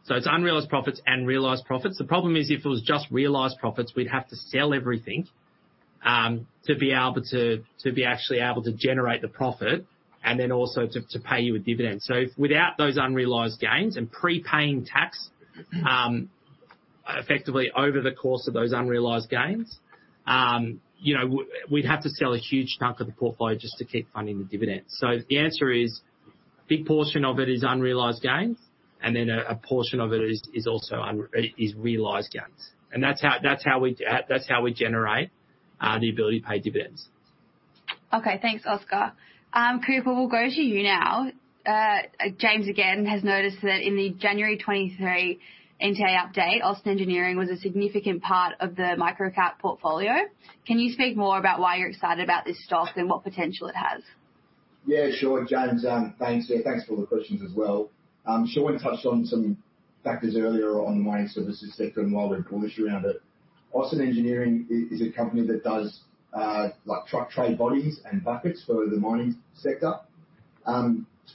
so it's unrealized profits and realized profits. The problem is, if it was just realized profits, we'd have to sell everything to be actually able to generate the profit and then also to pay you a dividend. Without those unrealized gains and prepaying tax, effectively over the course of those unrealized gains, you know, we'd have to sell a huge chunk of the portfolio just to keep funding the dividend. The answer is, a big portion of it is unrealized gains, and then a portion of it is also realized gains. That's how we generate the ability to pay dividends. Okay. Thanks, Oscar. Cooper, we'll go to you now. James again has noticed that in the January 2023 NTA update, Austin Engineering was a significant part of the micro-cap portfolio. Can you speak more about why you're excited about this stock and what potential it has? Yeah, sure. James, thanks. Yeah, thanks for all the questions as well. Shaun touched on some factors earlier on the mining services sector and why we're bullish around it. Austin Engineering is a company that does like truck trade bodies and buckets for the mining sector.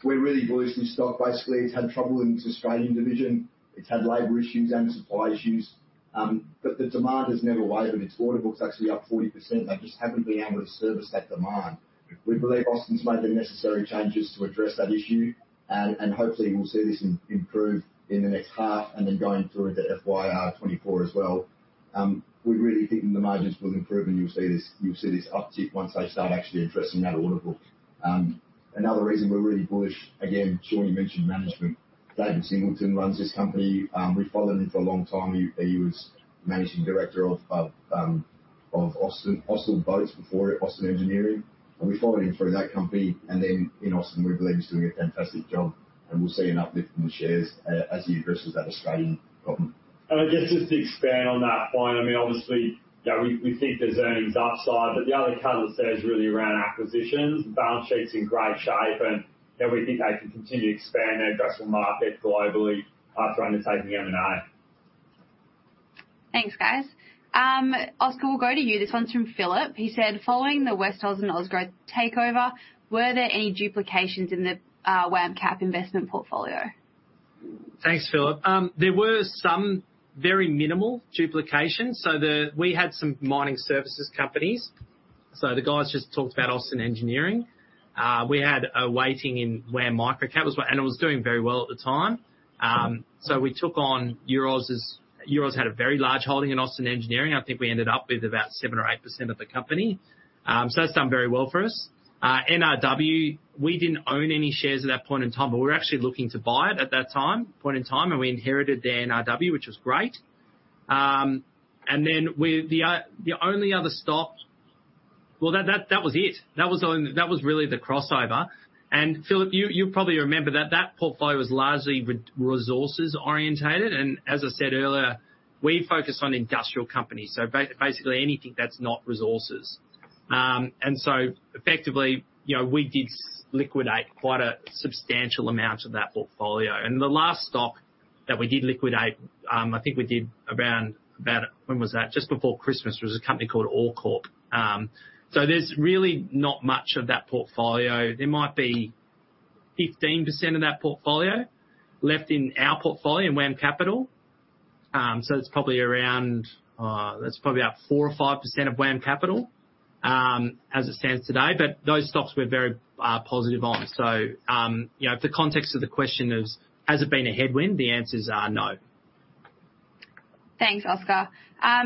We're really bullish on this stock. Basically, it's had trouble in its Australian division. It's had labor issues and supply issues. The demand has never wavered. Its order book's actually up 40%. They just haven't been able to service that demand. We believe Austin's made the necessary changes to address that issue, and hopefully we'll see this improve in the next half and then going through into FY 2024 as well. We really think the margins will improve, and you'll see this uptick once they start actually addressing that order book. Another reason we're really bullish, again, Shaun, you mentioned management. David Singleton runs this company. We followed him for a long time. He was managing director of Austin Boats before Austin Engineering, we followed him through that company and then in Austin. We believe he's doing a fantastic job, and we'll see an uplift in the shares as he addresses that Australian problem. I guess just to expand on that point, I mean, obviously, you know, we think there's earnings upside. The other catalyst there is really around acquisitions. The balance sheet's in great shape. You know, we think they can continue to expand their addressable market globally after undertaking M&A. Thanks, guys. Oscar, we'll go to you. This one's from Philip. He said, "Following the Westoz and Ozgrowth takeover, were there any duplications in the WAM Cap investment portfolio? Thanks, Philip. There were some very minimal duplications. We had some mining services companies. The guys just talked about Austin Engineering. We had a weighting in WAM Microcap, and it was doing very well at the time. We took on Euroz's. Euroz had a very large holding in Austin Engineering. I think we ended up with about 7% or 8% of the company. That's done very well for us. NRW, we didn't own any shares at that point in time, but we were actually looking to buy it at that point in time, and we inherited the NRW, which was great. The only other stock. Well, that was it. That was the only that was really the crossover. Philip, you probably remember that portfolio was largely re-resources orientated. As I said earlier, we focus on industrial companies, so basically anything that's not resources. Effectively, you know, we did liquidate quite a substantial amount of that portfolio. The last stock that we did liquidate, I think we did around about... When was that? Just before Christmas. It was a company called Allcorp. There's really not much of that portfolio. There might be 15% of that portfolio left in our portfolio in WAM Capital. It's probably around, that's probably about 4% or 5% of WAM Capital as it stands today. Those stocks we're very positive on. You know, if the context of the question is, has it been a headwind? The answer is no. Thanks, Oscar.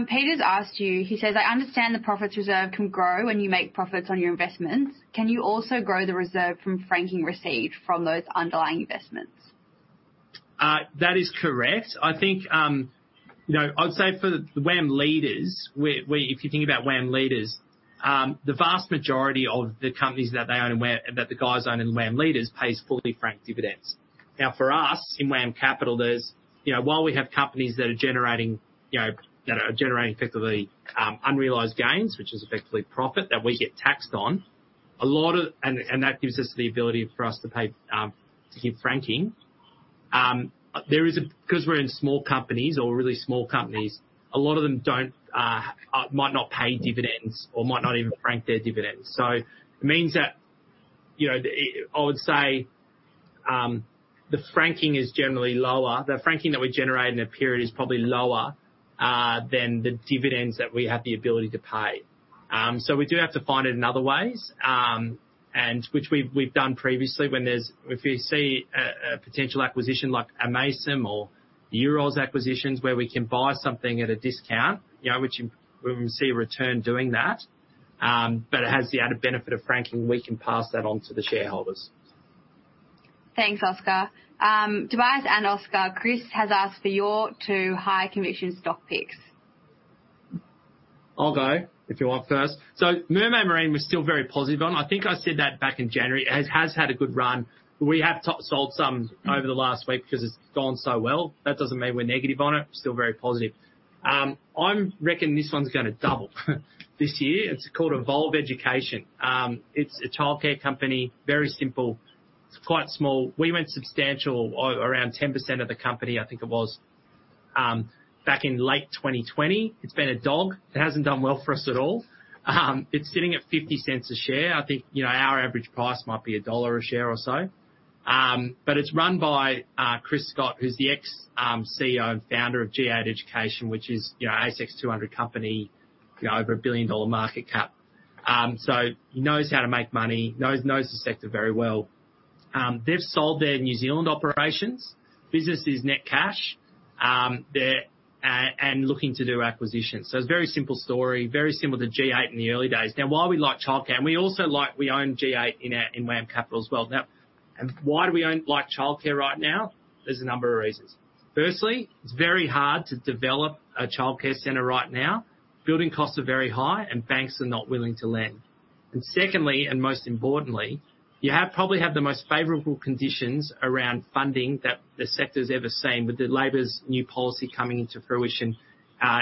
Peter's asked you, he says, "I understand the profits reserve can grow when you make profits on your investments. Can you also grow the reserve from franking received from those underlying investments? That is correct. I think, you know, I'd say for the WAM Leaders, if you think about WAM Leaders, the vast majority of the companies that they own and that the guys own in WAM Leaders pays fully franked dividends. For us in WAM Capital, there's, you know, while we have companies that are generating, you know, that are generating effectively, unrealized gains, which is effectively profit that we get taxed on, that gives us the ability for us to pay, to give franking. 'Cause we're in small companies or really small companies, a lot of them don't might not pay dividends or might not even frank their dividends. It means that, you know, I would say, the franking is generally lower. The franking that we generate in a period is probably lower than the dividends that we have the ability to pay. We do have to find it in other ways, which we've done previously when we see a potential acquisition like Amaysim or Euroz acquisitions where we can buy something at a discount, you know, which we see a return doing that, but it has the added benefit of franking, we can pass that on to the shareholders. Thanks, Oscar. Tobias and Oscar, Chris has asked for your 2 high conviction stock picks. I'll go if you want first. Mermaid Marine, we're still very positive on. I think I said that back in January. It has had a good run. We have sold some over the last week because it's gone so well. That doesn't mean we're negative on it. We're still very positive. I'm reckon this one's gonna double this year. It's called Evolve Education. It's a childcare company. Very simple. It's quite small. We went substantial around 10% of the company, I think it was, back in late 2020. It's been a dog. It hasn't done well for us at all. It's sitting at 0.50 a share. I think, you know, our average price might be AUD 1 a share or so. It's run by Chris Scott, who's the ex CEO and founder of G8 Education, which is ASX 200 company, over a billion-dollar market cap. He knows how to make money, knows the sector very well. They've sold their New Zealand operations. Business is net cash, they're looking to do acquisitions. It's very simple story, very similar to G8 in the early days. While we like childcare, we also own G8 in our, in WAM Capital as well. Why do we own childcare right now? There's a number of reasons. Firstly, it's very hard to develop a childcare center right now. Building costs are very high and banks are not willing to lend. Secondly, and most importantly, you probably have the most favorable conditions around funding that the sector's ever seen with the Labor's new policy coming into fruition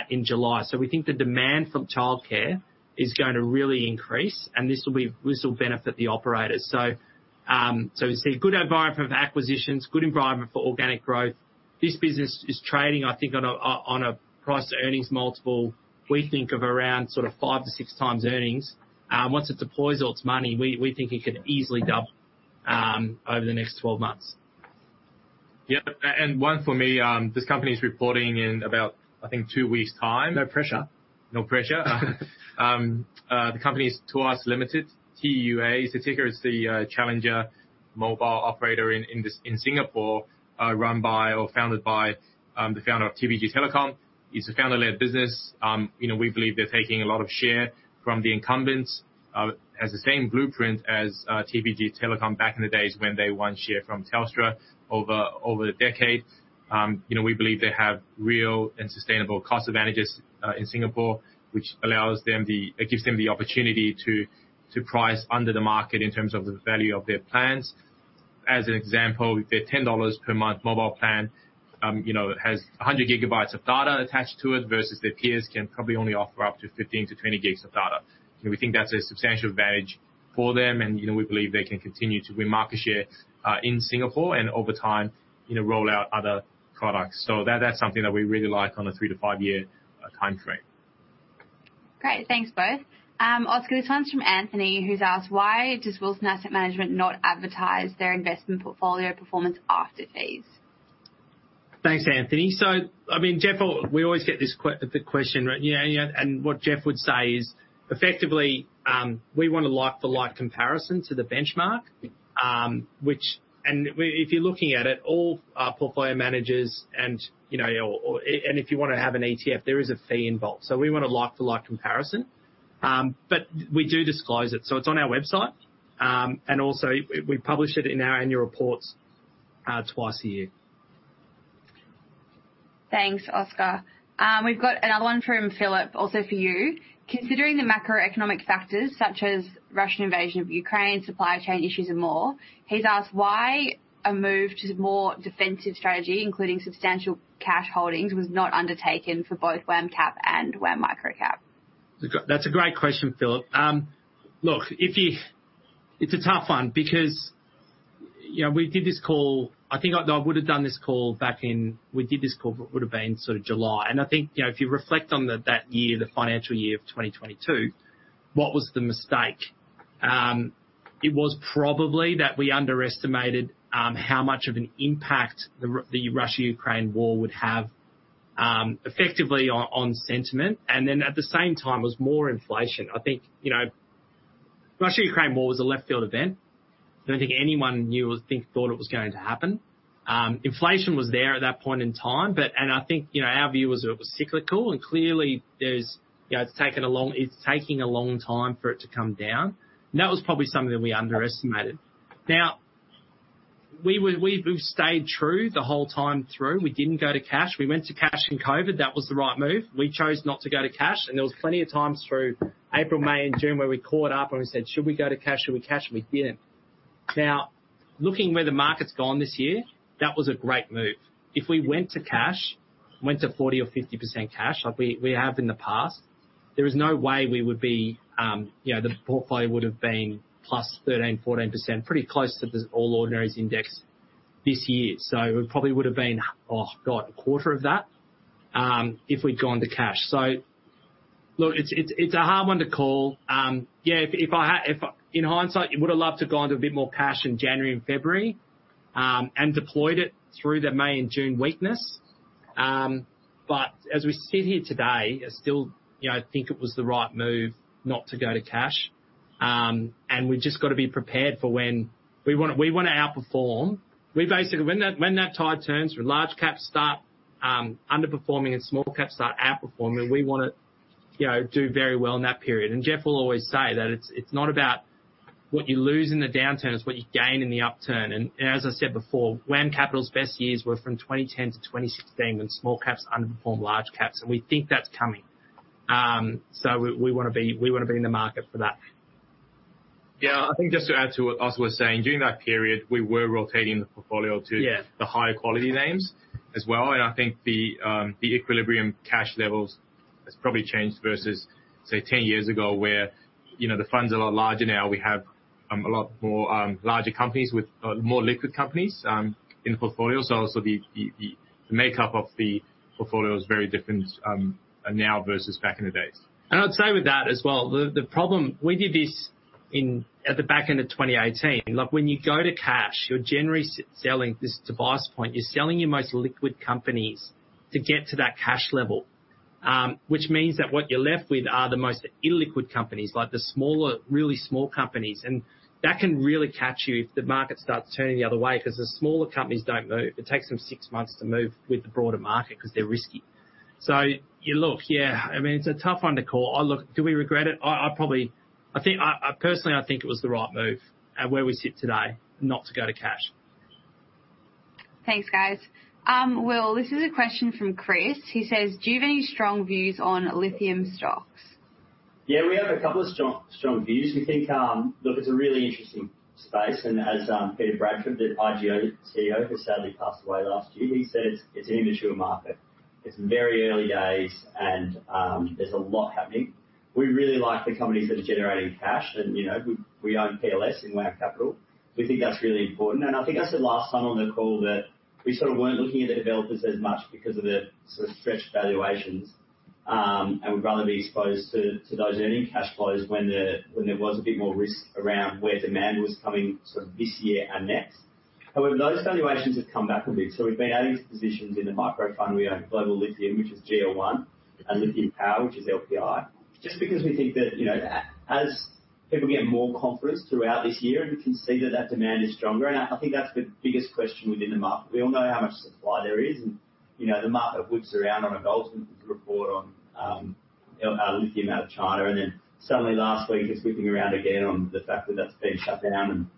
in July. We think the demand for childcare is going to really increase, and this will benefit the operators. We see a good environment for acquisitions, good environment for organic growth. This business is trading, I think on a price-to-earnings multiple. We think of around sort of 5x to 6x earnings. Once it deploys all its money, we think it could easily double over the next 12 months. Yeah. One for me, this company is reporting in about, I think two weeks' time. No pressure. No pressure. The company is Tuas Limited, T-U-A. Ticker's the challenger mobile operator in Singapore, run by or founded by the founder of TPG Telecom. It's a founder-led business. You know, we believe they're taking a lot of share from the incumbents. It has the same blueprint as TPG Telecom back in the days when they won share from Telstra over the decades. You know, we believe they have real and sustainable cost advantages in Singapore, which gives them the opportunity to price under the market in terms of the value of their plans. As an example, their 10 dollars per month mobile plan, you know, has 100 gigabytes of data attached to it, versus their peers can probably only offer up to 15-20 gigs of data. We think that's a substantial advantage for them, and you know, we believe they can continue to win market share, in Singapore and over time, you know, roll out other products. That, that's something that we really like on a 3-5 year time frame. Great. Thanks both. Oscar, this one's from Anthony, who's asked, "Why does Wilson Asset Management not advertise their investment portfolio performance after fees? Thanks, Anthony. I mean, Jeff. We always get this the question, you know, and what Jeff would say is, effectively, we want a like for like comparison to the benchmark. If you're looking at it, all our portfolio managers and, you know, and if you wanna have an ETF, there is a fee involved. We want a like to like comparison. We do disclose it, so it's on our website. Also we publish it in our annual reports, twice a year. Thanks, Oscar. We've got another one from Philip also for you. Considering the macroeconomic factors such as Russian invasion of Ukraine, supply chain issues and more, he's asked why a move to more defensive strategy, including substantial cash holdings, was not undertaken for both WAM Cap and WAM Microcap. That's a great question, Philip. Look, it's a tough one because, you know, we did this call, it would have been sort of July. I think, you know, if you reflect on the, that year, the financial year of 2022, what was the mistake? It was probably that we underestimated how much of an impact the Russia-Ukraine war would have effectively on sentiment. At the same time was more inflation. I think, you know, Russia-Ukraine war was a left field event. I don't think anyone knew or thought it was going to happen. Inflation was there at that point in time, but... I think, you know, our view was it was cyclical and clearly there's, you know, it's taking a long time for it to come down. That was probably something that we underestimated. Now, we've stayed true the whole time through. We didn't go to cash. We went to cash in COVID, that was the right move. We chose not to go to cash, and there was plenty of times through April, May and June, where we caught up and we said, "Should we go to cash?" We didn't. Now, looking where the market's gone this year, that was a great move. If we went to cash, went to 40% or 50% cash like we have in the past, there is no way we would be, you know, the portfolio would have been +13%, 14%, pretty close to the All Ordinaries Index this year. It probably would have been, oh, God, a quarter of that, if we'd gone to cash. Look, it's a hard one to call. Yeah, if if I in hindsight, you would have loved to go into a bit more cash in January and February, and deployed it through the May and June weakness. As we sit here today, I still, you know, think it was the right move not to go to cash. We've just got to be prepared for when we wanna outperform. We basically when that tide turns, when large caps start underperforming and small caps start outperforming, we wanna, you know, do very well in that period. Jeff will always say that it's not about what you lose in the downturn, it's what you gain in the upturn. As I said before, WAM Capital's best years were from 2010 to 2016 when small caps underperformed large caps, and we think that's coming. So we wanna be in the market for that. Yeah. I think just to add to what Oscar was saying, during that period, we were rotating the portfolio. Yeah The higher quality names as well. I think the equilibrium cash levels has probably changed versus, say, 10 years ago where, you know, the fund's a lot larger now. We have a lot more larger companies with more liquid companies in the portfolio. Also the makeup of the portfolio is very different now versus back in the days. I'd say with that as well, the problem. We did this in, at the back end of 2018. Like, when you go to cash, you're generally selling, this is Tobias' point, you're selling your most liquid companies to get to that cash level. Which means that what you're left with are the most illiquid companies, like the smaller, really small companies. That can really catch you if the market starts turning the other way, 'cause the smaller companies don't move. It takes them six months to move with the broader market 'cause they're risky. You look, yeah, I mean, it's a tough one to call. Oh, look, do we regret it? I probably. I think I personally, I think it was the right move at where we sit today not to go to cash. Thanks, guys. Will, this is a question from Chris. He says, "Do you have any strong views on lithium stocks? Yeah, we have a couple of strong views. We think, look, it's a really interesting space and as Peter Bradford, the IGO CEO, who sadly passed away last year, he said it's an immature market. It's very early days and there's a lot happening. We really like the companies that are generating cash and, you know, we own PLS in WAM Capital. We think that's really important. I think I said last time on the call that we sort of weren't looking at the developers as much because of the sort of stretched valuations. We'd rather be exposed to those earning cash flows when there was a bit more risk around where demand was coming sort of this year and next. However, those valuations have come back a bit. We've been adding positions in the micro fund. We own Global Lithium, which is GL1, and Lithium Power, which is LPI. Because we think that, you know, as people get more confidence throughout this year and we can see that that demand is stronger, I think that's the biggest question within the market. We all know how much supply there is, you know, the market whips around on a Goldman report on lithium out of China, suddenly last week it's whipping around again on the fact that that's been shut down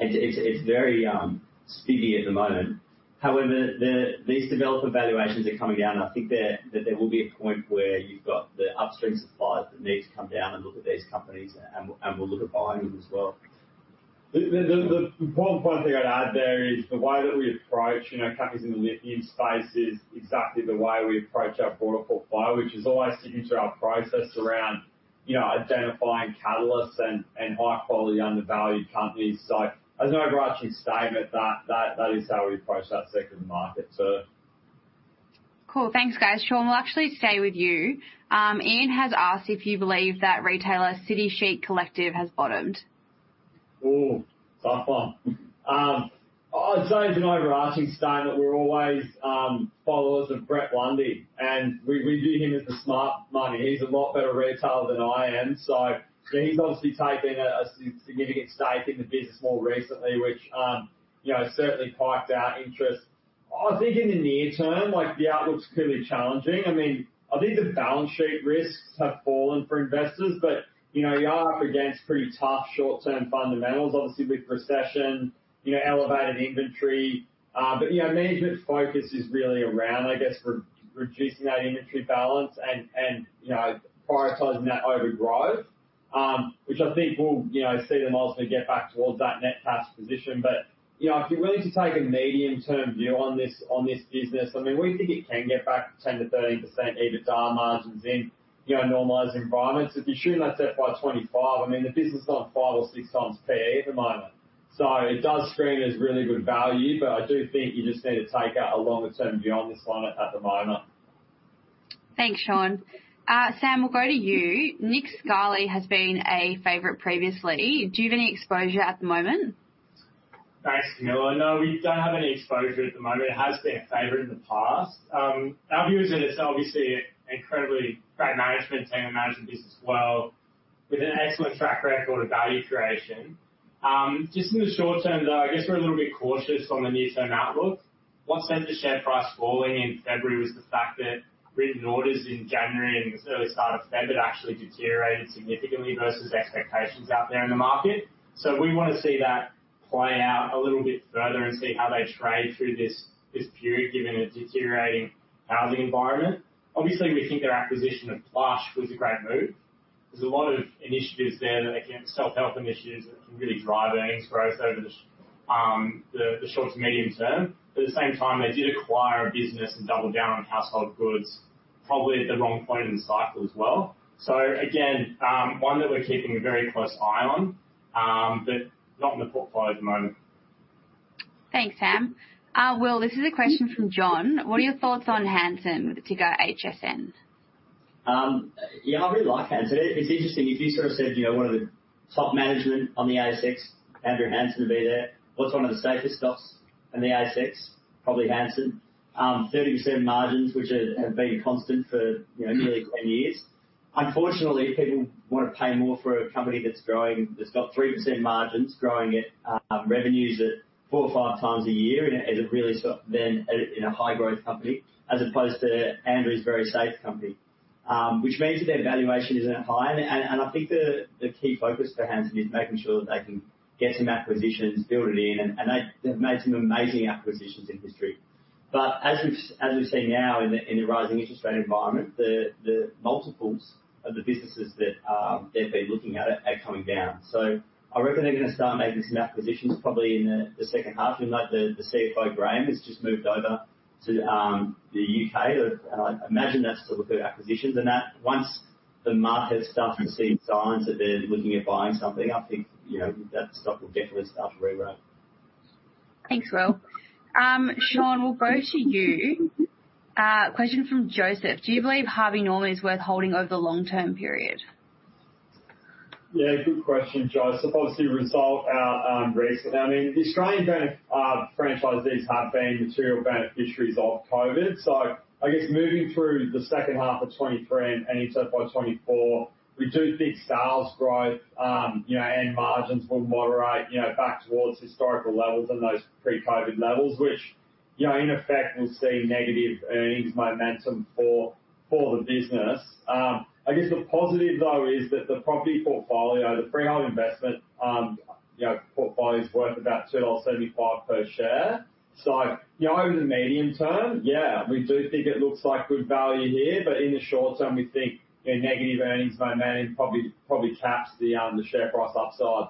and it's very spitty at the moment. These developer valuations are coming down. I think that there will be a point where you've got the upstream suppliers that need to come down and look at these companies and will look at buying them as well. The important point I'd add there is the way that we approach, you know, companies in the lithium space is exactly the way we approach our broader portfolio, which is always sticking to our process around, you know, identifying catalysts and high-quality undervalued companies. As an overarching statement that is how we approach that sector of the market, so. Cool. Thanks, guys. Shaun, we'll actually stay with you. Ian has asked if you believe that retailer City Chic Collective has bottomed. Tough one. I'd say as an overarching statement, we're always followers of Brett Blundy, and we view him as the smart money. He's a lot better retailer than I am. He's obviously taken a significant stake in the business more recently, which, you know, certainly piqued our interest. I think in the near term, like, the outlook's clearly challenging. I mean, I think the balance sheet risks have fallen for investors, but, you know, you are up against pretty tough short-term fundamentals, obviously with recession, you know, elevated inventory. You know, management focus is really around, I guess, re-reducing that inventory balance and, you know, prioritizing that over growth, which I think will, you know, see them ultimately get back towards that net cash position. You know, if you're willing to take a medium-term view on this business, I mean, we think it can get back 10%-13% EBITDA margins in, you know, normalized environments. If you're shooting that set by 25, I mean, the business is on 5x or 6x PE at the moment. It does screen as really good value, but I do think you just need to take out a longer-term view on this one at the moment. Thanks, Shaun. Sam, we'll go to you. Nick Scali has been a favorite previously. Do you have any exposure at the moment? Thanks, Camilla. No, we don't have any exposure at the moment. It has been a favorite in the past. Our view is that it's obviously incredibly great management team, who manage the business well with an excellent track record of value creation. Just in the short term, though, I guess we're a little bit cautious on the near-term outlook. What sent the share price falling in February was the fact that written orders in January and the early start of February actually deteriorated significantly versus expectations out there in the market. We wanna see that play out a little bit further and see how they trade through this period, given a deteriorating housing environment. We think their acquisition of Plush was a great move. There's a lot of initiatives there that, again, self-help initiatives that can really drive earnings growth over the short to medium term. At the same time, they did acquire a business and double down on household goods, probably at the wrong point in the cycle as well. Again, one that we're keeping a very close eye on, but not in the portfolio at the moment. Thanks, Sam. Will, this is a question from John. What are your thoughts on Hansen, ticker HSN? Yeah, I really like Hansen. It's interesting. If you sort of said, you know, what are the top management on the ASX, Andrew Hansen would be there. What's one of the safest stocks in the ASX? Probably Hansen. 30% margins, which have been constant for, you know, nearly 10 years. Unfortunately, people wanna pay more for a company that's growing, that's got 3% margins, growing at revenues at 4 or 5 times a year, and as a really than in a high growth company, as opposed to Andrew's very safe company. Which means that their valuation isn't high. I think the key focus for Hansen is making sure that they can get some acquisitions, build it in, and they've made some amazing acquisitions in history. As we've seen now in the rising interest rate environment, the multiples of the businesses that they've been looking at are coming down. I reckon they're gonna start making some acquisitions probably in the second half. We know the CFO, Graeme, has just moved over to the U.K. I imagine that's to look at acquisitions and that. Once the market starts to see signs that they're looking at buying something, I think, you know, that stock will definitely start to reroute. Thanks, Will. Shaun, we'll go to you. Question from Joseph: Do you believe Harvey Norman is worth holding over the long-term period? Yeah, good question, Joseph. I mean, the Australian franchisees have been material beneficiaries of COVID. I guess moving through the second half of 2023 and into 2024, we do think sales growth, you know, and margins will moderate, you know, back towards historical levels and those pre-COVID levels, which, you know, in effect will see negative earnings momentum for the business. I guess the positive, though, is that the property portfolio, the freehold investment, you know, portfolio's worth about 2.75 per share. You know, over the medium term, yeah, we do think it looks like good value here, but in the short term, we think a negative earnings momentum probably caps the share price upside.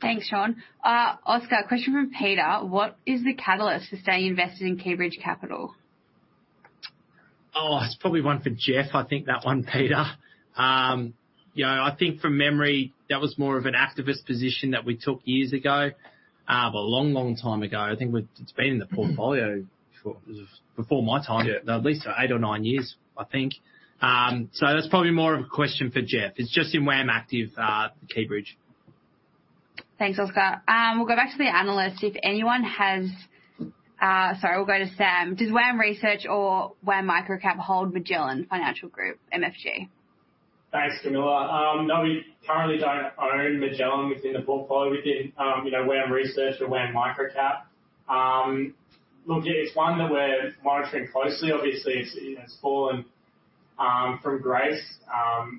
Thanks, Shaun. Oscar, question from Peter: What is the catalyst for staying invested in Keybridge Capital? That's probably one for Jeff, I think that one, Peter. You know, I think from memory, that was more of an activist position that we took years ago. A long, long time ago. I think it's been in the portfolio for... Before my time. Yeah. At least 8 or 9 years, I think. That's probably more of a question for Jeff. It's just in WAM Active, Keybridge. Thanks, Oscar. We'll go back to the analyst. Sorry, we'll go to Sam. Does WAM Research or WAM Microcap hold Magellan Financial Group, MFG? Thanks, Camilla. No, we currently don't own Magellan within the portfolio within, you know, WAM Research or WAM Microcap. Look, it's one that we're monitoring closely. Obviously, it's fallen from grace,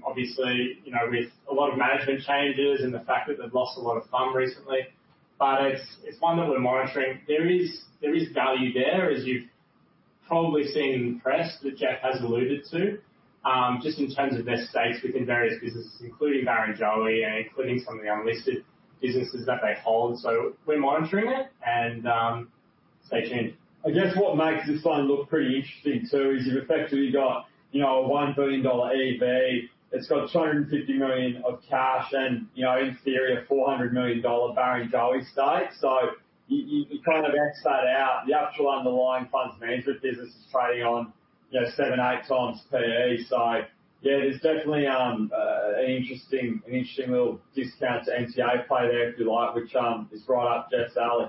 obviously, you know, with a lot of management changes and the fact that they've lost a lot of FUM recently, but it's one that we're monitoring. There is value there. Probably seen press that Jeff has alluded to, just in terms of their stakes within various businesses, including Barrenjoey and including some of the unlisted businesses that they hold. We're monitoring it and, stay tuned. I guess what makes this one look pretty interesting too, is you've effectively got, you know, a 1 billion dollar EV. It's got 250 million of cash and, you know, in theory, a 400 million dollar Barrenjoey stake. you kind of X that out, the actual underlying funds management business is trading on, you know, seven, eight times PE. yeah, there's definitely an interesting little discount to NTA play there, if you like, which is right up Jeff's alley.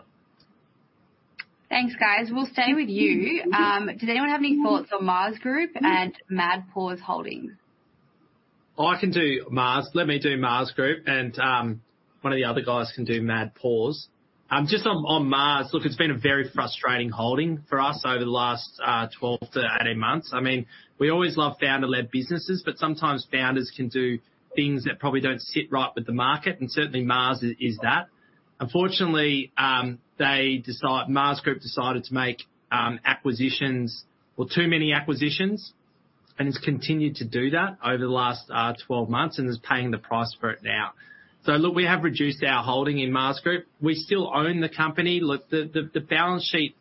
Thanks, guys. We'll stay with you. Does anyone have any thoughts on Mars Group and Mad Paws Holdings? I can do Mars. Let me do Mars Group and one of the other guys can do Mad Paws. Just on Mars. Look, it's been a very frustrating holding for us over the last 12-18 months. I mean, we always love founder-led businesses, but sometimes founders can do things that probably don't sit right with the market. Certainly Mars is that. Unfortunately, Mars Group decided to make acquisitions. Well, too many acquisitions and has continued to do that over the last 12 months and is paying the price for it now. Look, we have reduced our holding in Mars Group. We still own the company. Look, the balance sheet,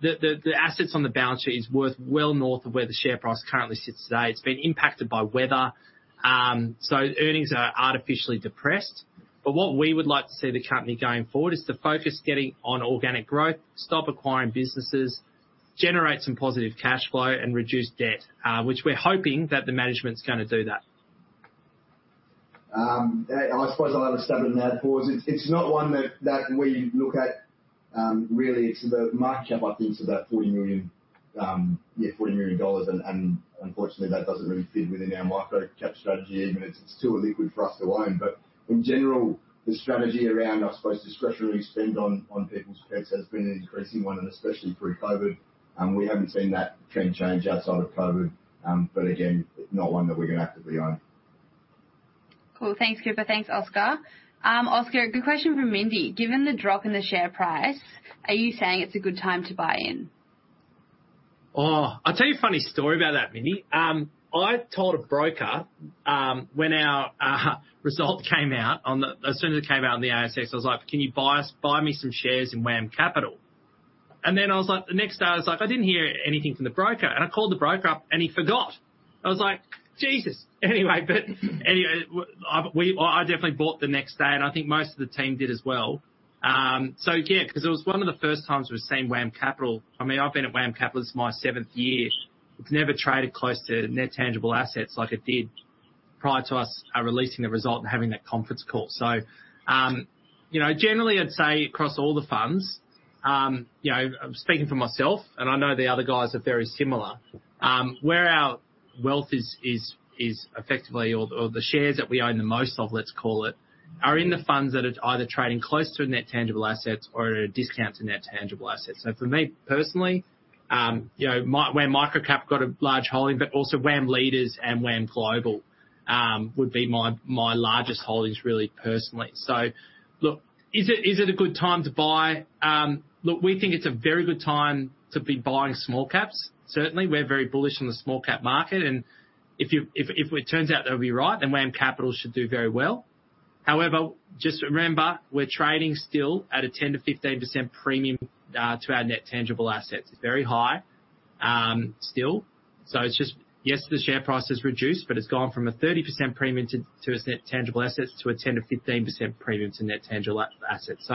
the assets on the balance sheet is worth well north of where the share price currently sits today. It's been impacted by weather. Earnings are artificially depressed. What we would like to see the company going forward is to focus getting on organic growth, stop acquiring businesses, generate some positive cash flow and reduce debt, which we're hoping that the management's gonna do that. I suppose I'll have a stab at Mad Paws. It's not one that we look at, really. The market cap, I think is about 40 million, yeah, 40 million dollars and unfortunately that doesn't really fit within our microcap strategy, even it's too illiquid for us to own. In general, the strategy around, I suppose, discretionary spend on people's pets has been an increasing one and especially through COVID. We haven't seen that trend change outside of COVID. Again, not one that we're gonna actively own. Cool. Thanks, Cooper. Thanks, Oscar. Oscar, good question from Mindy. Given the drop in the share price, are you saying it's a good time to buy in? Oh, I'll tell you a funny story about that, Mindy. I told a broker when our result came out as soon as it came out on the ASX, I was like, "Can you buy us, buy me some shares in WAM Capital?" I was like, the next day I was like, "I didn't hear anything from the broker." I called the broker up and he forgot. I was like, "Jesus!" I definitely bought the next day, and I think most of the team did as well. 'Cause it was one of the first times we've seen WAM Capital. I mean, I've been at WAM Capital, this is my seventh year. It's never traded close to net tangible assets like it did prior to us releasing the result and having that conference call. You know, generally, I'd say across all the funds, you know, speaking for myself, and I know the other guys are very similar, where our wealth is effectively or the shares that we own the most of, let's call it, are in the funds that are either trading close to net tangible assets or at a discount to net tangible assets. For me, personally, you know, where Microcap got a large holding, but also WAM Leaders and WAM Global, would be my largest holdings really personally. Look, is it a good time to buy? Look, we think it's a very good time to be buying small caps. Certainly, we're very bullish on the small cap market. If it turns out that we're right, then WAM Capital should do very well. Just remember, we're trading still at a 10%-15% premium to our net tangible assets. It's very high still. It's just, yes, the share price has reduced, but it's gone from a 30% premium to its net tangible assets to a 10%-15% premium to net tangible assets.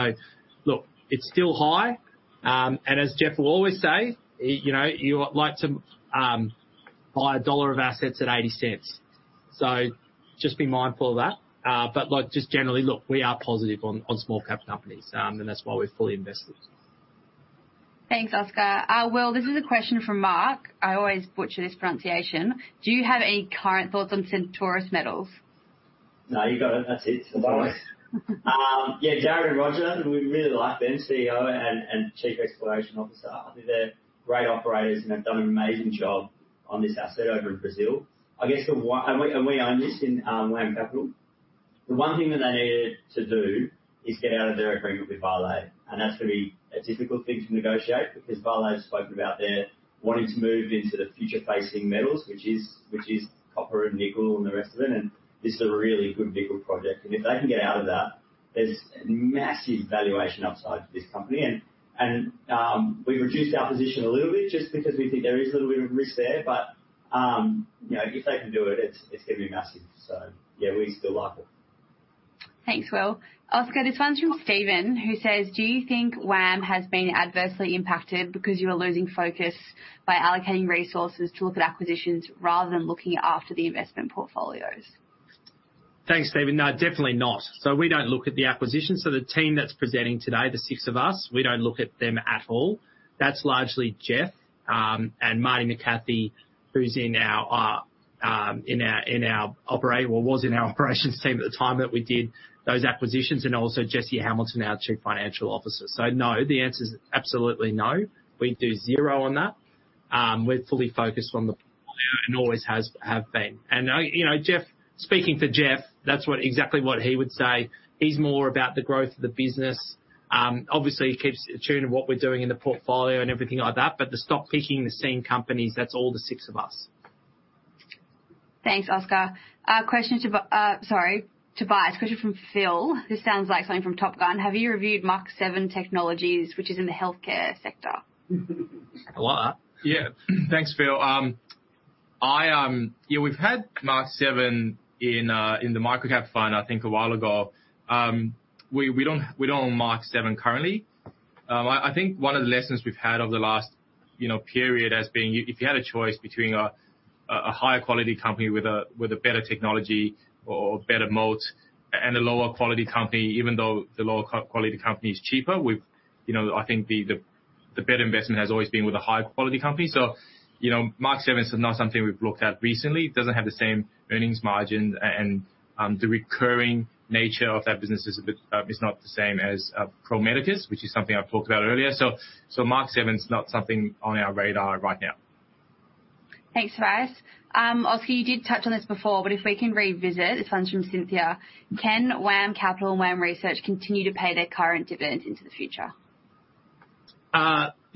Look, it's still high. As Jeff will always say, you know, you like to buy AUD 1 of assets at 0.80. Just be mindful of that. Look, just generally, look, we are positive on small cap companies. That's why we're fully invested. Thanks, Oscar. Will, this is a question from Mark. I always butcher this pronunciation. Do you have any current thoughts on Centaurus Metals? No, you got it. That's it. Centaurus. yeah, Jared and Roger, we really like them, CEO and Chief Exploration Officer. I think they're great operators and have done an amazing job on this asset over in Brazil. I guess and we own this in WAM Capital. The one thing that they needed to do is get out of their agreement with Vale. That's gonna be a difficult thing to negotiate because Vale have spoken about their wanting to move into the future facing metals, which is copper and nickel and the rest of it. This is a really good nickel project. If they can get out of that, there's massive valuation upside for this company. We've reduced our position a little bit just because we think there is a little bit of risk there. you know, if they can do it's gonna be massive. yeah, we still like it. Thanks, Will. Oscar, this one's from Steven who says, do you think WAM has been adversely impacted because you are losing focus by allocating resources to look at acquisitions rather than looking after the investment portfolios? Thanks, Steven. No, definitely not. We don't look at the acquisitions. The team that's presenting today, the six of us, we don't look at them at all. That's largely Jeff and Martyn McCathie, who's in our or was in our operations team at the time that we did those acquisitions, and also Jesse Hamilton, our Chief Financial Officer. No, the answer is absolutely no. We do zero on that. We're fully focused on the. Always has, have been. I, you know, Jeff, speaking to Jeff, that's what exactly what he would say. He's more about the growth of the business. Obviously he keeps in tune with what we're doing in the portfolio and everything like that. The stock picking, the same companies, that's all the six of us. Thanks, Oscar. sorry, Tobias. Question from Phil. This sounds like something from Top Gun. Have you reviewed Mach7 Technologies, which is in the healthcare sector? A what? Yeah. Thanks, Phil. I, yeah, we've had Mach7 in the microcap fund, I think a while ago. We don't own Mach7 currently. I think one of the lessons we've had over the last, you know, period as being if you had a choice between a higher quality company with a better technology or a better moat and a lower quality company, even though the lower quality company is cheaper, we've, you know, I think the better investment has always been with a higher quality company. You know, Mach7 is not something we've looked at recently. Doesn't have the same earnings margin and the recurring nature of that business is a bit is not the same as Pro Medicus, which is something I've talked about earlier. Mach7's not something on our radar right now. Thanks, Tobias. Oscar, you did touch on this before, if we can revisit. This one's from Cynthia. Can WAM Capital and WAM Research continue to pay their current dividend into the future?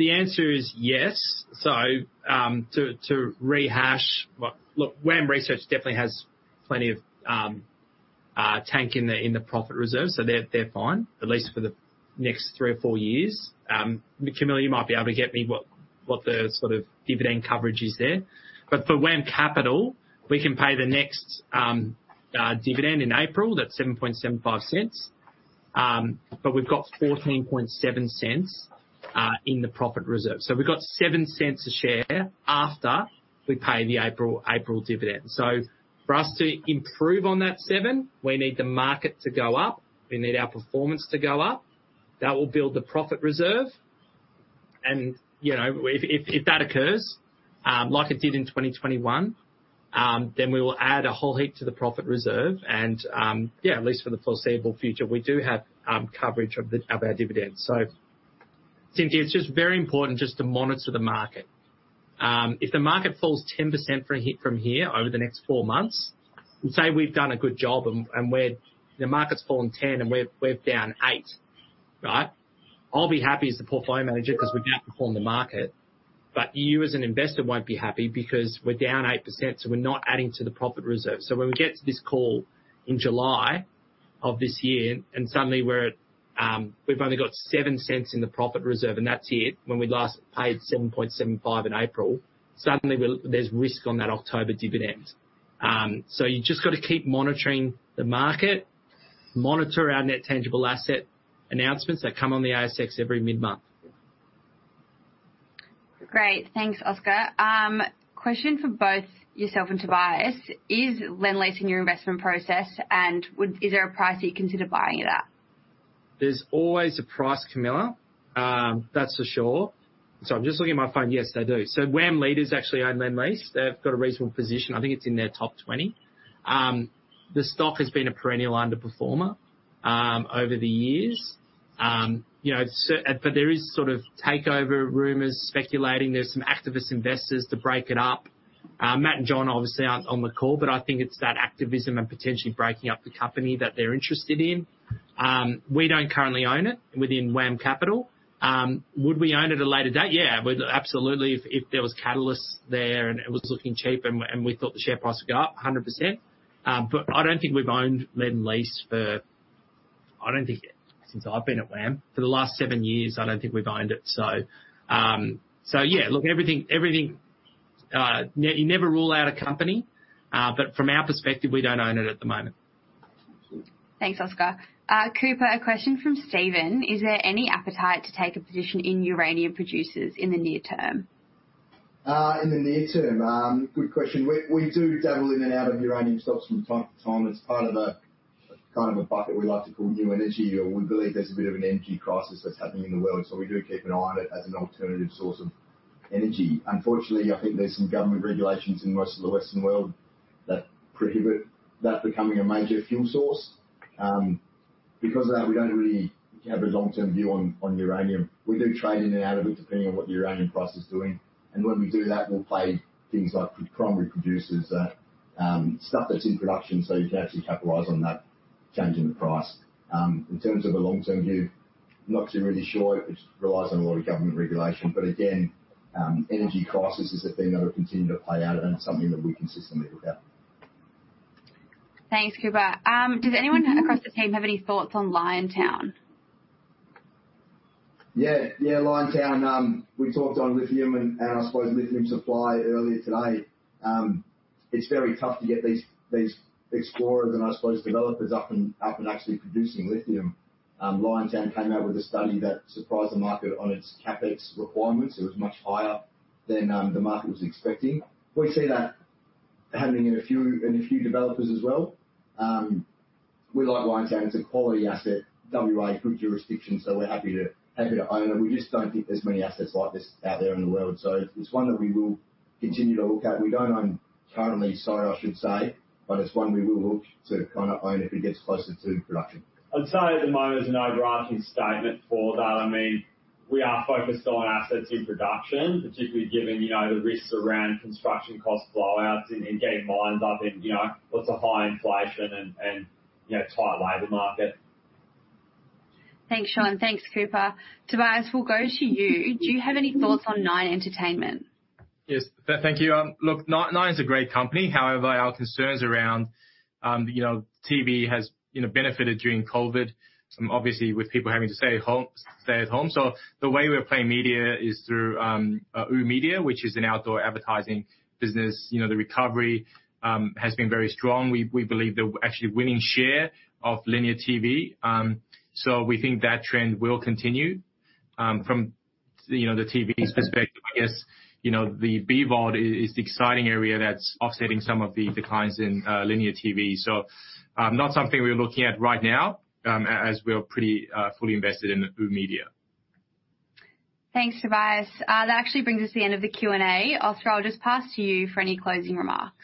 The answer is yes. To rehash. Well, look, WAM Research definitely has plenty of tank in the profit reserve, so they're fine, at least for the next three or four years. Camilla, you might be able to get me what the sort of dividend coverage is there. For WAM Capital, we can pay the next dividend in April. That's 0.0775. We've got 0.147 in the profit reserve. We've got 0.07 a share after we pay the April dividend. For us to improve on that seven, we need the market to go up. We need our performance to go up. That will build the profit reserve. you know, if that occurs, like it did in 2021, then we will add a whole heap to the profit reserve and, yeah, at least for the foreseeable future, we do have coverage of the, of our dividends. Cynthia, it's just very important just to monitor the market. If the market falls 10% from here over the next 4 months, and say we've done a good job and the market's fallen 10 and we're down 8, right? I'll be happy as the portfolio manager 'cause we've outperformed the market. you as an investor won't be happy because we're down 8%, so we're not adding to the profit reserve. When we get to this call in July of this year, suddenly we're at, we've only got 0.07 in the profit reserve and that's it, when we last paid 0.0775 in April, suddenly there's risk on that October dividend. You just gotta keep monitoring the market, monitor our net tangible asset announcements that come on the ASX every mid-month. Great. Thanks, Oscar. Question for both yourself and Tobias. Is Lendlease in your investment process, and is there a price that you'd consider buying it at? There's always a price, Camilla, that's for sure. I'm just looking at my phone. Yes, they do. WAM Leaders actually own Lendlease. They've got a reasonable position. I think it's in their top 20. The stock has been a perennial underperformer over the years. You know, there is sort of takeover rumors speculating. There's some activist investors to break it up. Matt and John obviously aren't on the call, but I think it's that activism and potentially breaking up the company that they're interested in. We don't currently own it within WAM Capital. Would we own it at a later date? Yeah, absolutely. If there was catalysts there and it was looking cheap and we, and we thought the share price would go up 100%. I don't think we've owned Lendlease for... I don't think since I've been at WAM. For the last 7 years, I don't think we've owned it. Yeah. Look, everything, you never rule out a company. From our perspective, we don't own it at the moment. Thank you. Thanks, Oscar. Cooper, a question from Steven. Is there any appetite to take a position in uranium producers in the near term? In the near term? Good question. We do dabble in and out of uranium stocks from time to time. It's part of a kind of a bucket we like to call new energy, or we believe there's a bit of an energy crisis that's happening in the world, so we do keep an eye on it as an alternative source of energy. Unfortunately, I think there's some government regulations in most of the Western world that prohibit that becoming a major fuel source. Because of that, we don't really have a long-term view on uranium. We do trade in and out of it, depending on what the uranium price is doing. When we do that, we'll play things like primary producers that, stuff that's in production, so you can actually capitalize on that change in the price. In terms of a long-term view, not too really sure. It relies on a lot of government regulation. Again, energy crisis is a thing that will continue to play out and it's something that we consistently look at. Thanks, Cooper. Does anyone across the team have any thoughts on Liontown? Yeah, Liontown. We talked on lithium and I suppose lithium supply earlier today. It's very tough to get these explorers and I suppose developers up and actually producing lithium. Liontown came out with a study that surprised the market on its CapEx requirements. It was much higher than the market was expecting. We see that happening in a few developers as well. We like Liontown. It's a quality asset. WA, good jurisdiction. We're happy to own it. We just don't think there's many assets like this out there in the world. It's one that we will continue to look at. We don't own currently, sorry, I should say, but it's one we will look to kinda own if it gets closer to production. I'd say at the moment it's an overarching statement for that. We are focused on assets in production, particularly given, you know, the risks around construction cost blowouts and getting mines up in, you know, lots of high inflation and, you know, tight labor market. Thanks, Shaun. Thanks, Cooper. Tobias, we'll go to you. Do you have any thoughts on Nine Entertainment? Yes. Thank you. Look, Nine's a great company. However, our concerns around, you know, TV has, you know, benefited during COVID, obviously with people having to stay at home. The way we are playing media is through oOh!media, which is an outdoor advertising business. You know, the recovery has been very strong. We believe they're actually winning share of linear TV, so we think that trend will continue. From, you know, the TV perspective, I guess, you know, the BVOD is the exciting area that's offsetting some of the declines in linear TV. Not something we're looking at right now, as we are pretty fully invested in oOh!media. Thanks, Tobias. That actually brings us to the end of the Q&A. Oscar, I'll just pass to you for any closing remarks.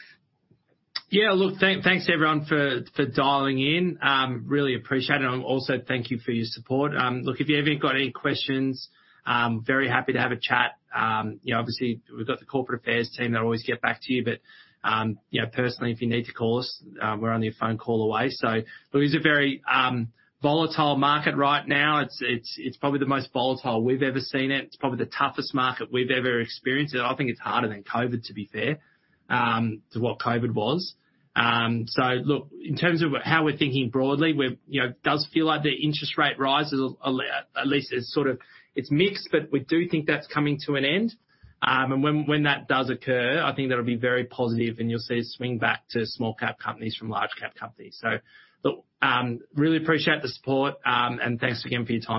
Yeah, look, thanks everyone for dialing in. Really appreciate it. Also thank you for your support. Look, if you've ever got any questions, very happy to have a chat. You know, obviously we've got the corporate affairs team, they'll always get back to you, personally, if you need to call us, we're only a phone call away. It is a very volatile market right now. It's probably the most volatile we've ever seen it. It's probably the toughest market we've ever experienced. I think it's harder than COVID, to be fair, to what COVID was. Look, in terms of how we're thinking broadly, we're, you know, does feel like the interest rate rises at least is sort of, it's mixed, but we do think that's coming to an end. When, when that does occur, I think that'll be very positive and you'll see a swing back to small cap companies from large cap companies. Look, really appreciate the support, and thanks again for your time.